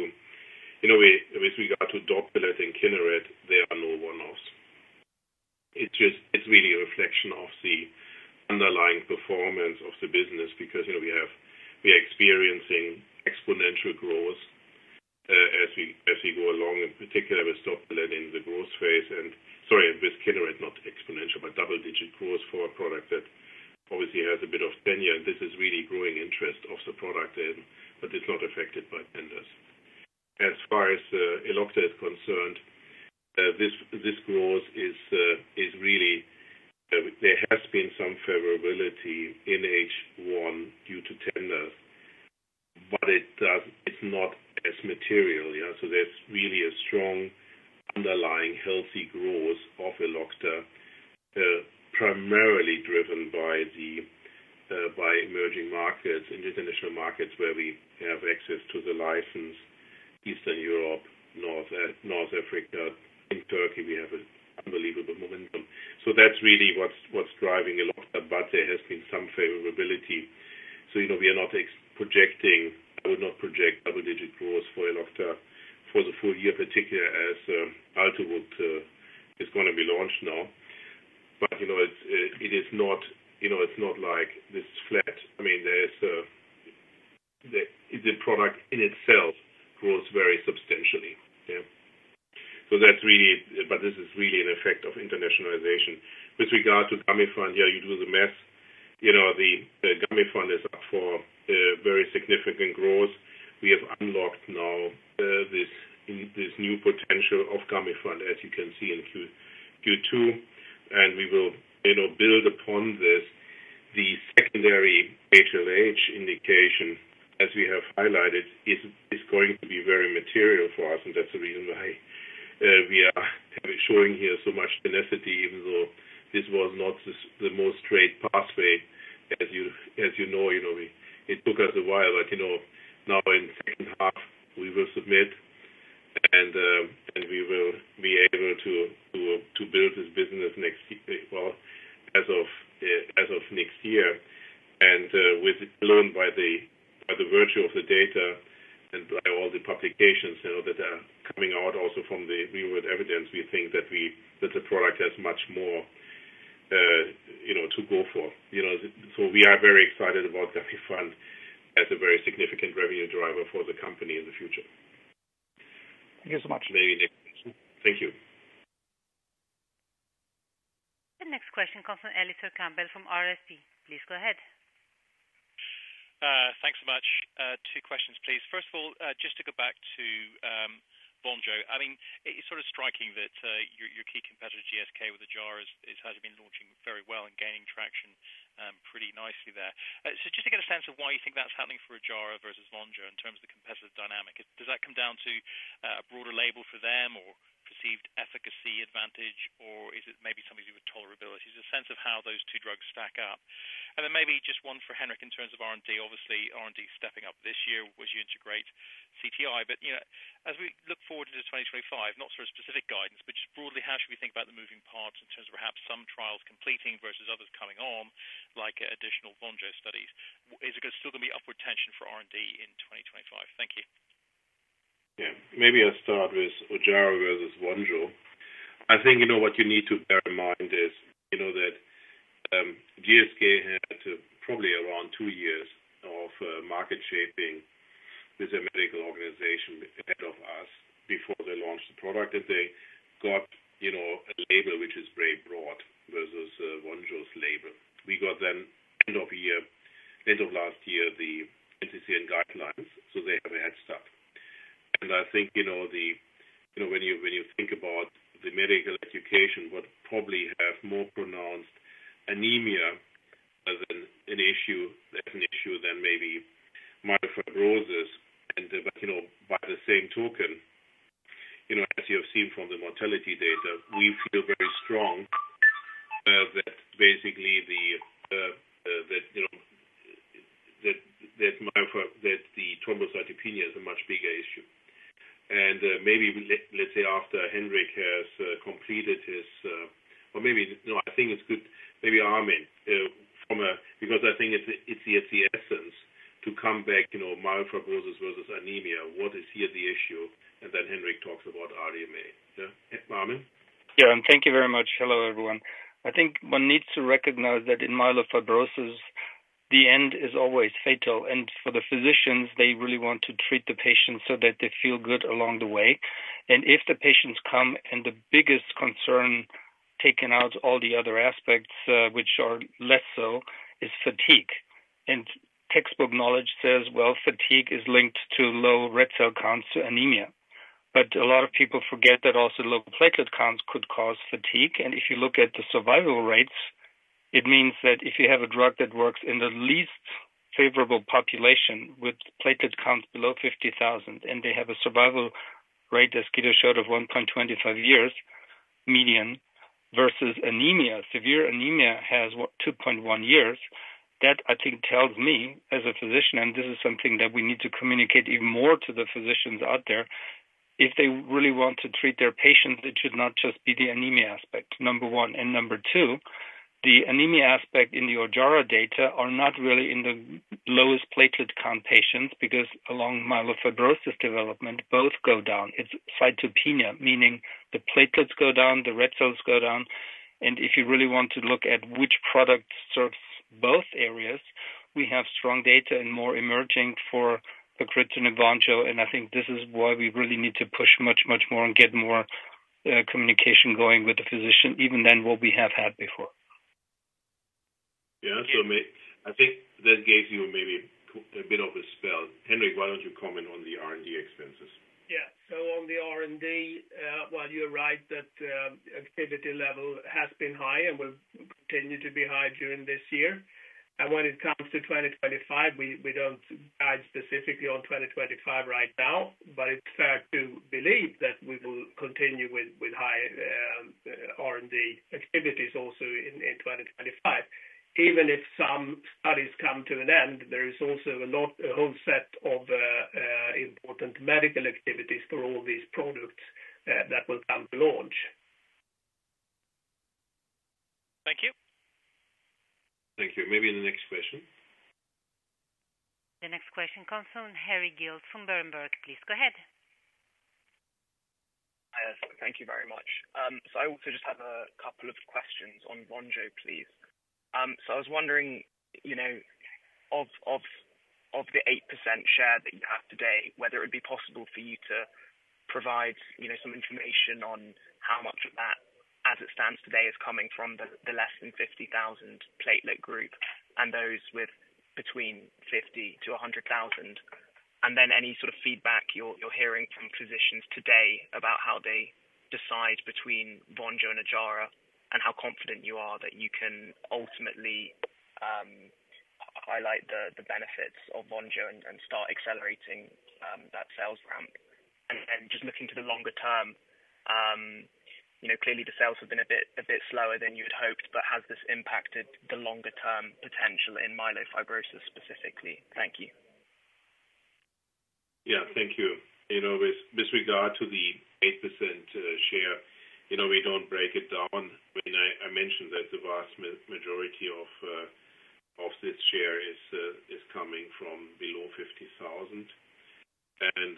Speaker 2: you know, with regard to Doptelet and Kineret, they are no one-offs. It's just, it's really a reflection of the underlying performance of the business, because, you know, we are experiencing exponential growth as we go along, in particular with Doptelet in the growth phase, and sorry, with Kineret, not exponential, but double-digit growth for a product that obviously has a bit of tenure. This is really growing interest of the product, but it's not affected by vendors. As far as Elocta is concerned, this growth is really there has been some favorability in H1 due to tenders, but it's not as material, yeah. So there's really a strong, underlying, healthy growth of Elocta, primarily driven by the by emerging markets in the international markets where we have access to the license, Eastern Europe, North Africa. In Turkey, we have an unbelievable momentum. So that's really what's driving Elocta, but there has been some favorability. So you know, we are not projecting, I would not project double-digit growth for Elocta for the full year, particularly as Altuvoct is gonna be launched now. But you know, it is not, you know, it's not like this is flat. I mean, there's the product in itself grows very substantially, yeah. So that's really... But this is really an effect of internationalization. With regard to Gamifant, yeah, you do the math. You know, the Gamifant is up for very significant growth. We have unlocked now this new potential of Gamifant, as you can see in Q2. And we will, you know, build upon this. The secondary HLH indication, as we have highlighted, is going to be very material for us, and that's the reason why we are showing here so much tenacity, even though this was not the most straight pathway, as you know. You know, it took us a while, but you know, now in second half, we will submit, and we will be able to build this business next year, well, as of next year. By virtue of the data and by all the publications, you know, that are coming out also from the real-world evidence, we think that the product has much more, you know, to go for. You know, so we are very excited about Gamifant as a very significant revenue driver for the company in the future.
Speaker 5: Thank you so much.
Speaker 2: Maybe next question. Thank you.
Speaker 1: The next question comes from Elliot Campbell, from Redburn Atlantic. Please go ahead.
Speaker 5: Thanks so much. Two questions, please. First of all, just to go back to, Vonjo, I mean, it's sort of striking that, your key competitor, GSK, with Ojjaara, is, has been launching very well and gaining traction, pretty nicely there. So just to get a sense of why you think that's happening for Ojjaara versus Vonjo in terms of the competitive dynamic. Does that come down to, a broader label for them or perceived efficacy advantage, or is it maybe something to do with tolerability? Just a sense of how those two drugs stack up. And then maybe just one for Henrik in terms of R&D. Obviously, R&D is stepping up this year as you integrate CTI, but, you know, as we look forward into 2025, not sort of specific guidance, but just broadly, how should we think about the moving parts in terms of perhaps some trials completing versus others coming on, like additional Vonjo studies? Is it gonna still gonna be upward tension for R&D in 2025? Thank you.
Speaker 2: Yeah. Maybe I'll start with Ojjaara versus Vonjo. I think you know what you need to bear in mind is, you know, that, GSK had probably around two years of market shaping this medical organization ahead of us before they launched the product. And they got, you know, a label which is very broad versus, Vonjo's label. We got them end of year, end of last year, the NCCN guidelines, so they have a head start. And I think, you know, when you, when you think about the medical education, would probably have more pronounced anemia as an issue than-... and maybe myelofibrosis and, but you know, by the same token, you know, as you have seen from the mortality data, we feel very strong that basically the that, you know, that the thrombocytopenia is a much bigger issue. And maybe let's say, after Henrik has completed his... Or maybe, no, I think it's good, maybe Armin because I think it's the essence to come back, you know, myelofibrosis versus anemia. What is here the issue? And then Henrik talks about RDMA. Yeah, Armin? Yeah, and thank you very much. Hello, everyone. I think one needs to recognize that in myelofibrosis, the end is always fatal, and for the physicians, they really want to treat the patients so that they feel good along the way. And if the patients come, and the biggest concern, taking out all the other aspects, which are less so, is fatigue. And textbook knowledge says, well, fatigue is linked to low red cell counts, to anemia. But a lot of people forget that also low platelet counts could cause fatigue. And if you look at the survival rates, it means that if you have a drug that works in the least favorable population with platelet counts below 50,000, and they have a survival rate, as Guido showed, of 1.25 years median, versus anemia. Severe anemia has what? 2.1 years. That, I think, tells me as a physician, and this is something that we need to communicate even more to the physicians out there, if they really want to treat their patients, it should not just be the anemia aspect, number one. And number two, the anemia aspect in the Ojjaara data are not really in the lowest platelet count patients, because along myelofibrosis development, both go down. It's cytopenia, meaning the platelets go down, the red cells go down, and if you really want to look at which product serves both areas, we have strong data and more emerging for the pacritinib and Vonjo, and I think this is why we really need to push much, much more and get more, communication going with the physician, even than what we have had before. Yeah. So maybe I think that gave you maybe a bit of a spell. Henrik, why don't you comment on the R&D expenses?
Speaker 3: Yeah. So on the R&D, while you're right, that, activity level has been high and will continue to be high during this year, and when it comes to 2025, we don't guide specifically on 2025 right now, but it's fair to believe that we will continue with high R&D activities also in 2025. Even if some studies come to an end, there is also a lot, a whole set of important medical activities for all these products that will come to launch.
Speaker 5: Thank you.
Speaker 2: Thank you. Maybe the next question.
Speaker 1: The next question comes from Harry Guild from Berenberg. Please, go ahead.
Speaker 5: Hi, thank you very much. So I also just have a couple of questions on Vonjo, please. So I was wondering, you know, of, of, of the 8% share that you have today, whether it would be possible for you to provide, you know, some information on how much of that, as it stands today, is coming from the, the less than 50,000 platelet group and those with between 50,000 to 100,000. And then any sort of feedback you're, you're hearing from physicians today about how they decide between Vonjo and Ojjaara, and how confident you are that you can ultimately, highlight the, the benefits of Vonjo and, and start accelerating, that sales ramp. And then just looking to the longer term, you know, clearly the sales have been a bit, a bit slower than you'd hoped, but has this impacted the longer-term potential in myelofibrosis specifically? Thank you.
Speaker 2: Yeah, thank you. You know, with disregard to the 8%, share, you know, we don't break it down. I mean, I mentioned that the vast majority of this share is coming from below 50,000, and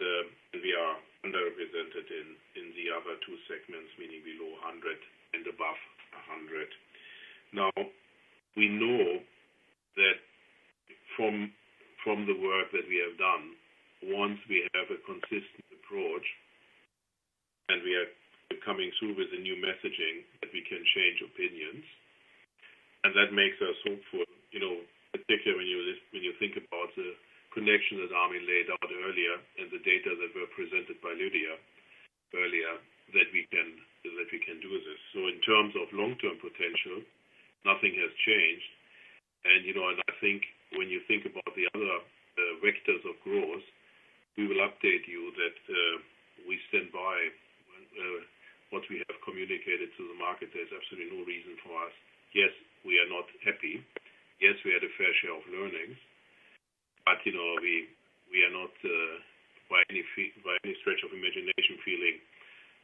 Speaker 2: we are underrepresented in the other two segments, meaning below 100 and above 100. Now, we know that from the work that we have done, once we have a consistent approach, and we are coming through with a new messaging, that we can change opinions. And that makes us hopeful, you know, particularly when you think about the connection that Armin laid out earlier and the data that were presented by Lydia earlier, that we can do this. So in terms of long-term potential, nothing has changed. You know, and I think when you think about the other vectors of growth, we will update you that we stand by what we have communicated to the market. There's absolutely no reason for us. Yes, we are not happy. Yes, we had a fair share of learnings, but, you know, we are not, by any stretch of imagination, feeling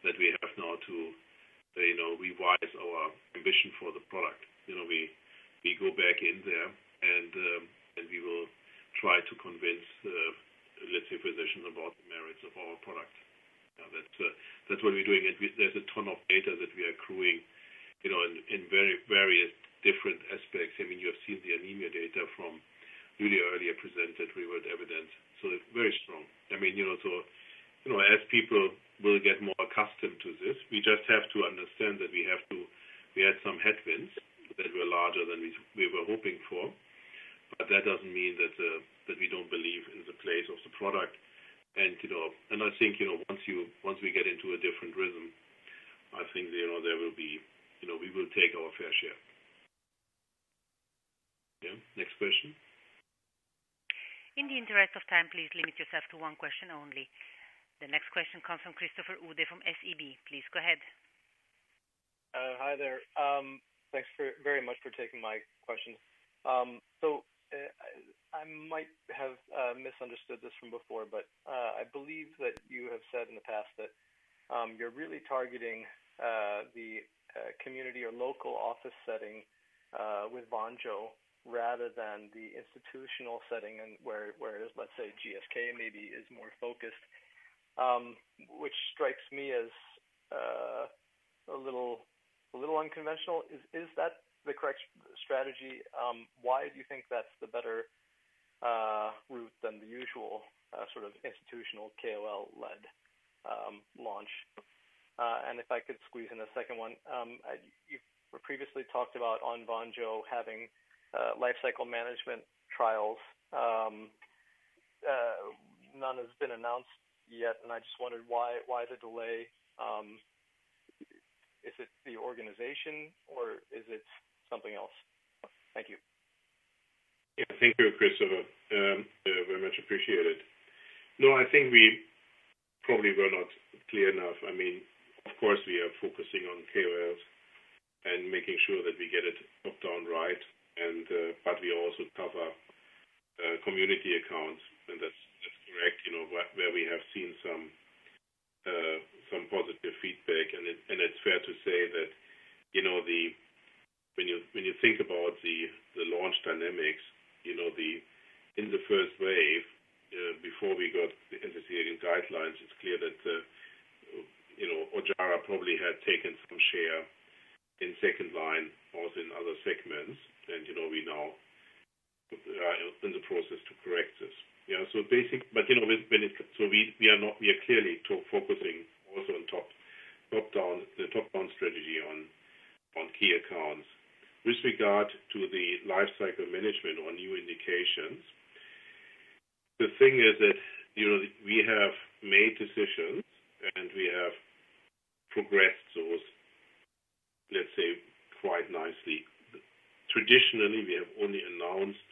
Speaker 2: that we have now to, you know, revise our ambition for the product. You know, we go back in there and we will try to convince, let's say, physicians about the merits of our product. Now, that's what we're doing, and there's a ton of data that we are accruing, you know, in very various different aspects. I mean, you have seen the anemia data from really earlier presented. We were evidence so very strong. I mean, you know, so, you know, as people will get more accustomed to this, we just have to understand that we have to—we had some headwinds that were larger than we were hoping for, but that doesn't mean that we don't believe in the place of the product. You know, and I think, you know, once we get into a different rhythm, I think, you know, there will be, you know, we will take our fair share. Yeah, next question.
Speaker 1: In the interest of time, please limit yourself to one question only. The next question comes from Christopher Uhde from SEB. Please go ahead.
Speaker 5: Hi there. Thanks very much for taking my question. So, I might have misunderstood this from before, but I believe that you have said in the past that you're really targeting the community or local office setting with Vonjo rather than the institutional setting and where, let's say, GSK maybe is more focused. Which strikes me as a little unconventional. Is that the correct strategy? Why do you think that's the better route than the usual sort of institutional KOL-led launch? And if I could squeeze in a second one. I... You've previously talked about on Vonjo having lifecycle management trials. None has been announced yet, and I just wondered why the delay, is it the organization or is it something else? Thank you.
Speaker 2: Yeah. Thank you, Christopher. Very much appreciated. No, I think we probably were not clear enough. I mean, of course, we are focusing on KOLs and making sure that we get it top-down right. And, but we also cover, community accounts, and that's, that's correct, you know, where, where we have seen some, some positive feedback. And it, and it's fair to say that, you know, the—when you, when you think about the, the launch dynamics, you know, the, in the first wave, before we got the hemophilia guidelines, it's clear that, you know, Ojjaara probably had taken some share in second line, also in other segments. And, you know, we now, in the process to correct this. Yeah, so basic—but, you know, when, when it... So we are clearly too focusing also on top-down, the top-down strategy on key accounts. With regard to the lifecycle management or new indications, the thing is that, you know, we have made decisions, and we have progressed those, let's say, quite nicely. Traditionally, we have only announced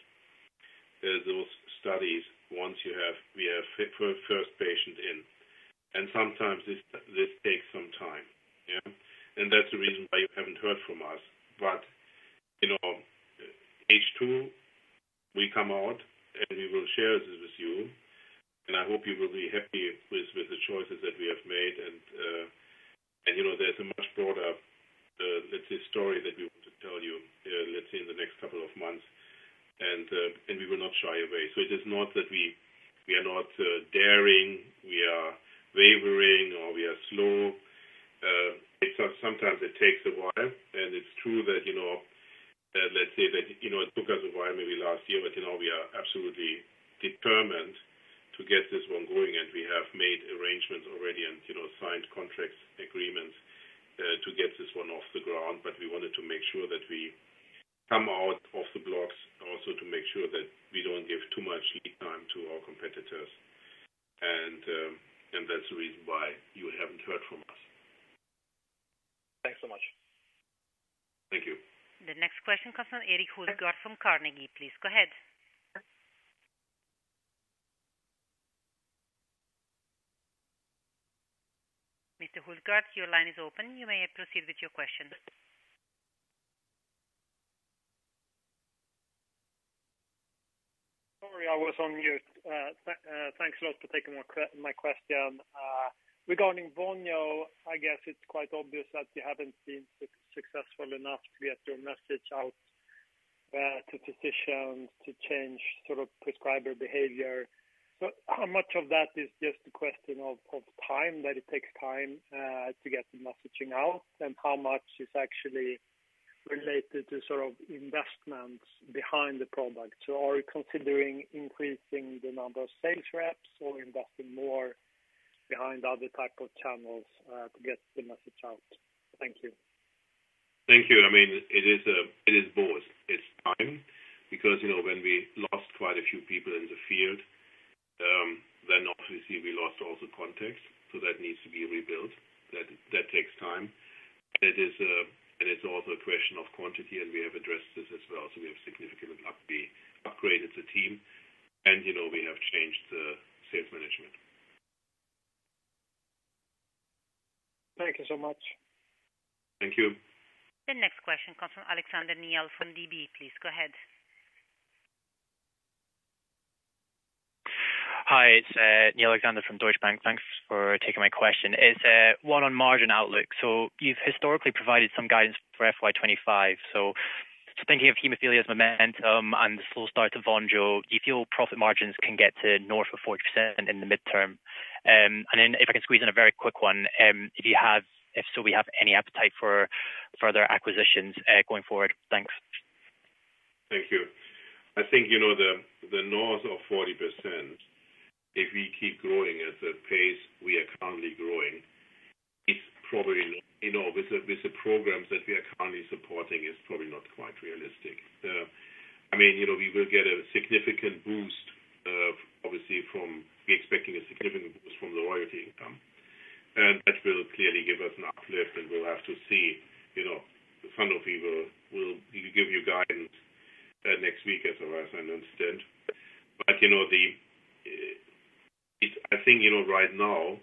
Speaker 2: those studies once we have first patient in, and sometimes this takes some time. Yeah. And that's the reason why you haven't heard from us. But, you know, H2, we come out, and we will share this with you, and I hope you will be happy with the choices that we have made. And you know, there's a much broader, let's say, story that we want to tell you, let's say, in the next couple of months, and we will not shy away. So it is not that we, we are not, daring, we are wavering, or we are slow. It's sometimes it takes a while, and it's true that, you know, let's say that, you know, it took us a while, maybe last year, but, you know, we are absolutely determined to get this one going, and we have made arrangements already and, you know, signed contracts, agreements, to get this one off the ground. But we wanted to make sure that we come out of the blocks, also to make sure that we don't give too much lead time to our competitors. And, and that's the reason why you haven't heard from us.
Speaker 5: Thanks so much.
Speaker 2: Thank you.
Speaker 1: The next question comes from Erik Hultgård from Carnegie. Please go ahead. Mr. Hultgård, your line is open. You may proceed with your question.
Speaker 5: Sorry, I was on mute. Thanks a lot for taking my question. Regarding Vonjo, I guess it's quite obvious that you haven't been successful enough to get your message out to physicians to change sort of prescriber behavior. So how much of that is just a question of time, that it takes time to get the messaging out? And how much is actually related to sort of investments behind the product? So are you considering increasing the number of sales reps or investing more behind other type of channels to get the message out? Thank you.
Speaker 2: Thank you. I mean, it is both. It's time, because, you know, when we lost quite a few people in the field, then obviously we lost also context, so that needs to be rebuilt. That takes time. And it is also a question of quantity, and we have addressed this as well. So we have significantly upgraded the team, and, you know, we have changed the sales management.
Speaker 5: Thank you so much.
Speaker 2: Thank you.
Speaker 1: The next question comes from Alex Neil from DB. Please go ahead.
Speaker 5: Hi, it's Alex Neil from Deutsche Bank. Thanks for taking my question. It's one on margin outlook. So you've historically provided some guidance for FY 2025. So thinking of hemophilia's momentum and the slow start to Vonjo, can your profit margins get to north of 40% in the midterm? And then if I can squeeze in a very quick one, do you have any appetite for further acquisitions going forward? Thanks.
Speaker 2: Thank you. I think you know the north of 40%, if we keep growing at the pace we are currently growing. It's probably, you know, with the programs that we are currently supporting, is probably not quite realistic. I mean, you know, we're expecting a significant boost from the royalty income, and that will clearly give us an uplift, and we'll have to see, you know, Sanofi will give you guidance next week, as far as I understand. But, you know, I think, you know, right now,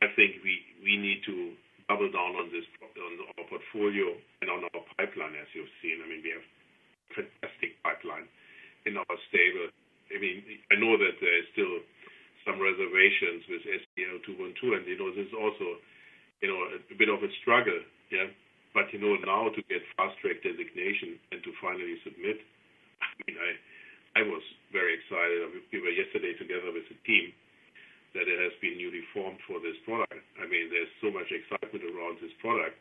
Speaker 2: I think we need to double down on this, on our portfolio and on our pipeline, as you've seen. I mean, we have fantastic pipeline in our stable. I mean, I know that there is still some reservations with SEL-212, and, you know, there's also, you know, a bit of a struggle, yeah. But, you know, now to get fast-track designation and to finally submit, I mean, I was very excited. We were yesterday together with the team, that it has been newly formed for this product. I mean, there's so much excitement around this product.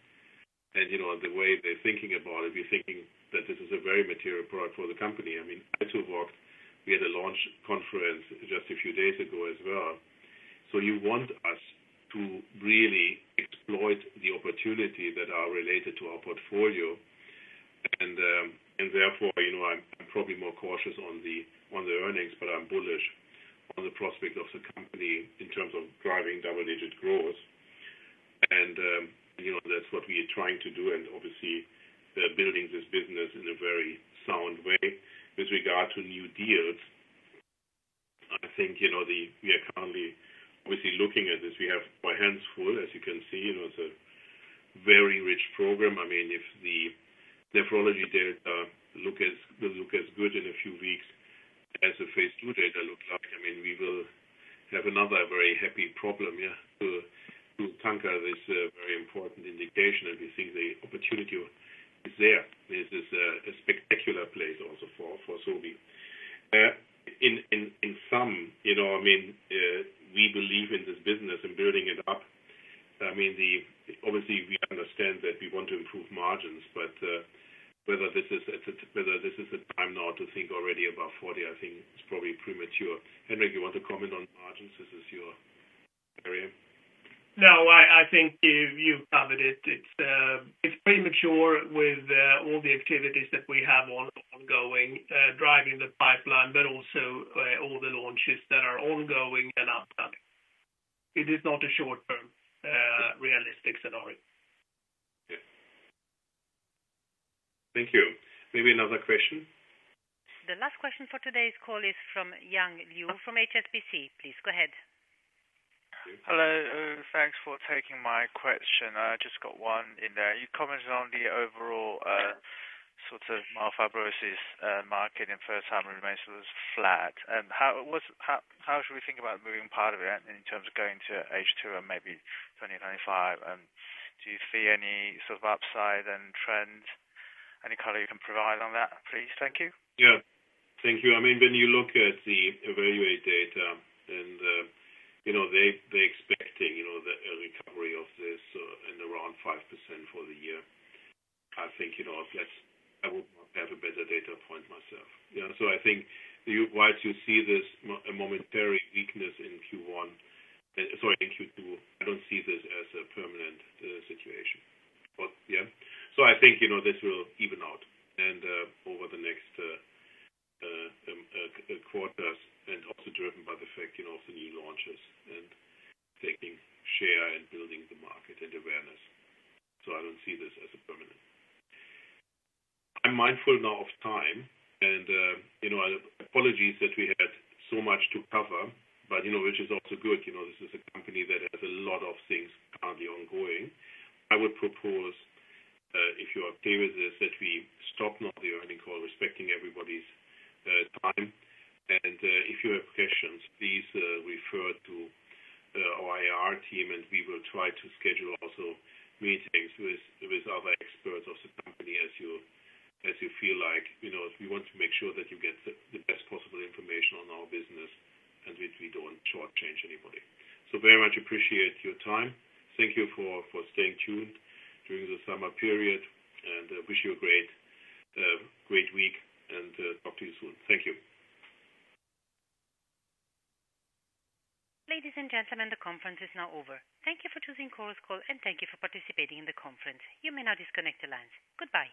Speaker 2: And, you know, the way they're thinking about it, we're thinking that this is a very material product for the company. I mean, it worked. We had a launch conference just a few days ago as well. So you want us to really exploit the opportunity that are related to our portfolio, and therefore, you know, I'm probably more cautious on the earnings, but I'm bullish on the prospect of the company in terms of driving double-digit growth. You know, that's what we are trying to do, and obviously, building this business in a very sound way. With regard to new deals, I think, you know, we are currently, obviously, looking at this. We have our hands full, as you can see. You know, it's a very rich program. I mean, if the nephrology data will look as good in a few weeks as the phase two data looked like, I mean, we will have another very happy problem, yeah, to tackle this very important indication, and we think the opportunity is there. This is a spectacular place also for Sobi. In sum, you know, I mean, we believe in this business and building it up. I mean, obviously, we understand that we want to improve margins, but whether this is the time now to think already about 40, I think it's probably premature. Henrik, you want to comment on margins? This is your area.
Speaker 3: No, I think you've covered it. It's premature with all the activities that we have ongoing, driving the pipeline, but also all the launches that are ongoing and upcoming. It is not a short-term realistic scenario.
Speaker 2: Yeah. Thank you. Maybe another question?
Speaker 1: The last question for today's call is from Yang Liu from HSBC. Please, go ahead.
Speaker 5: Hello, thanks for taking my question. I just got one in there. You commented on the overall, sort of myelofibrosis, market, and first-time remission was flat. And how should we think about moving forward part of it in terms of going to H2 and maybe 2025? And do you see any sort of upside and trends? Any color you can provide on that, please? Thank you.
Speaker 2: Yeah. Thank you. I mean, when you look at the Evaluate data and, you know, they, they're expecting, you know, the, a recovery of this, in around 5% for the year. I think, you know, that's- I would have a better data point myself. Yeah, so I think you, while you see this a momentary weakness in Q1, sorry, in Q2, I don't see this as a permanent, situation. But yeah, so I think, you know, this will even out, and, over the next, quarters, and also driven by the fact, you know, of the new launches and taking share and building the market and awareness. So I don't see this as a permanent. I'm mindful now of time, and, you know, apologies that we had so much to cover, but, you know, which is also good, you know, this is a company that has a lot of things currently ongoing. I would propose, if you are okay with this, that we stop now the earnings call, respecting everybody's, time. And, if you have questions, please, refer to, our IR team, and we will try to schedule also meetings with, with other experts of the company as you, as you feel like. You know, we want to make sure that you get the, the best possible information on our business, and we, we don't shortchange anybody. So very much appreciate your time. Thank you for, for staying tuned during the summer period, and, wish you a great, great week and, talk to you soon.
Speaker 5: Thank you.
Speaker 1: Ladies and gentlemen, the conference is now over. Thank you for choosing Chorus Call, and thank you for participating in the conference. You may now disconnect the lines. Goodbye.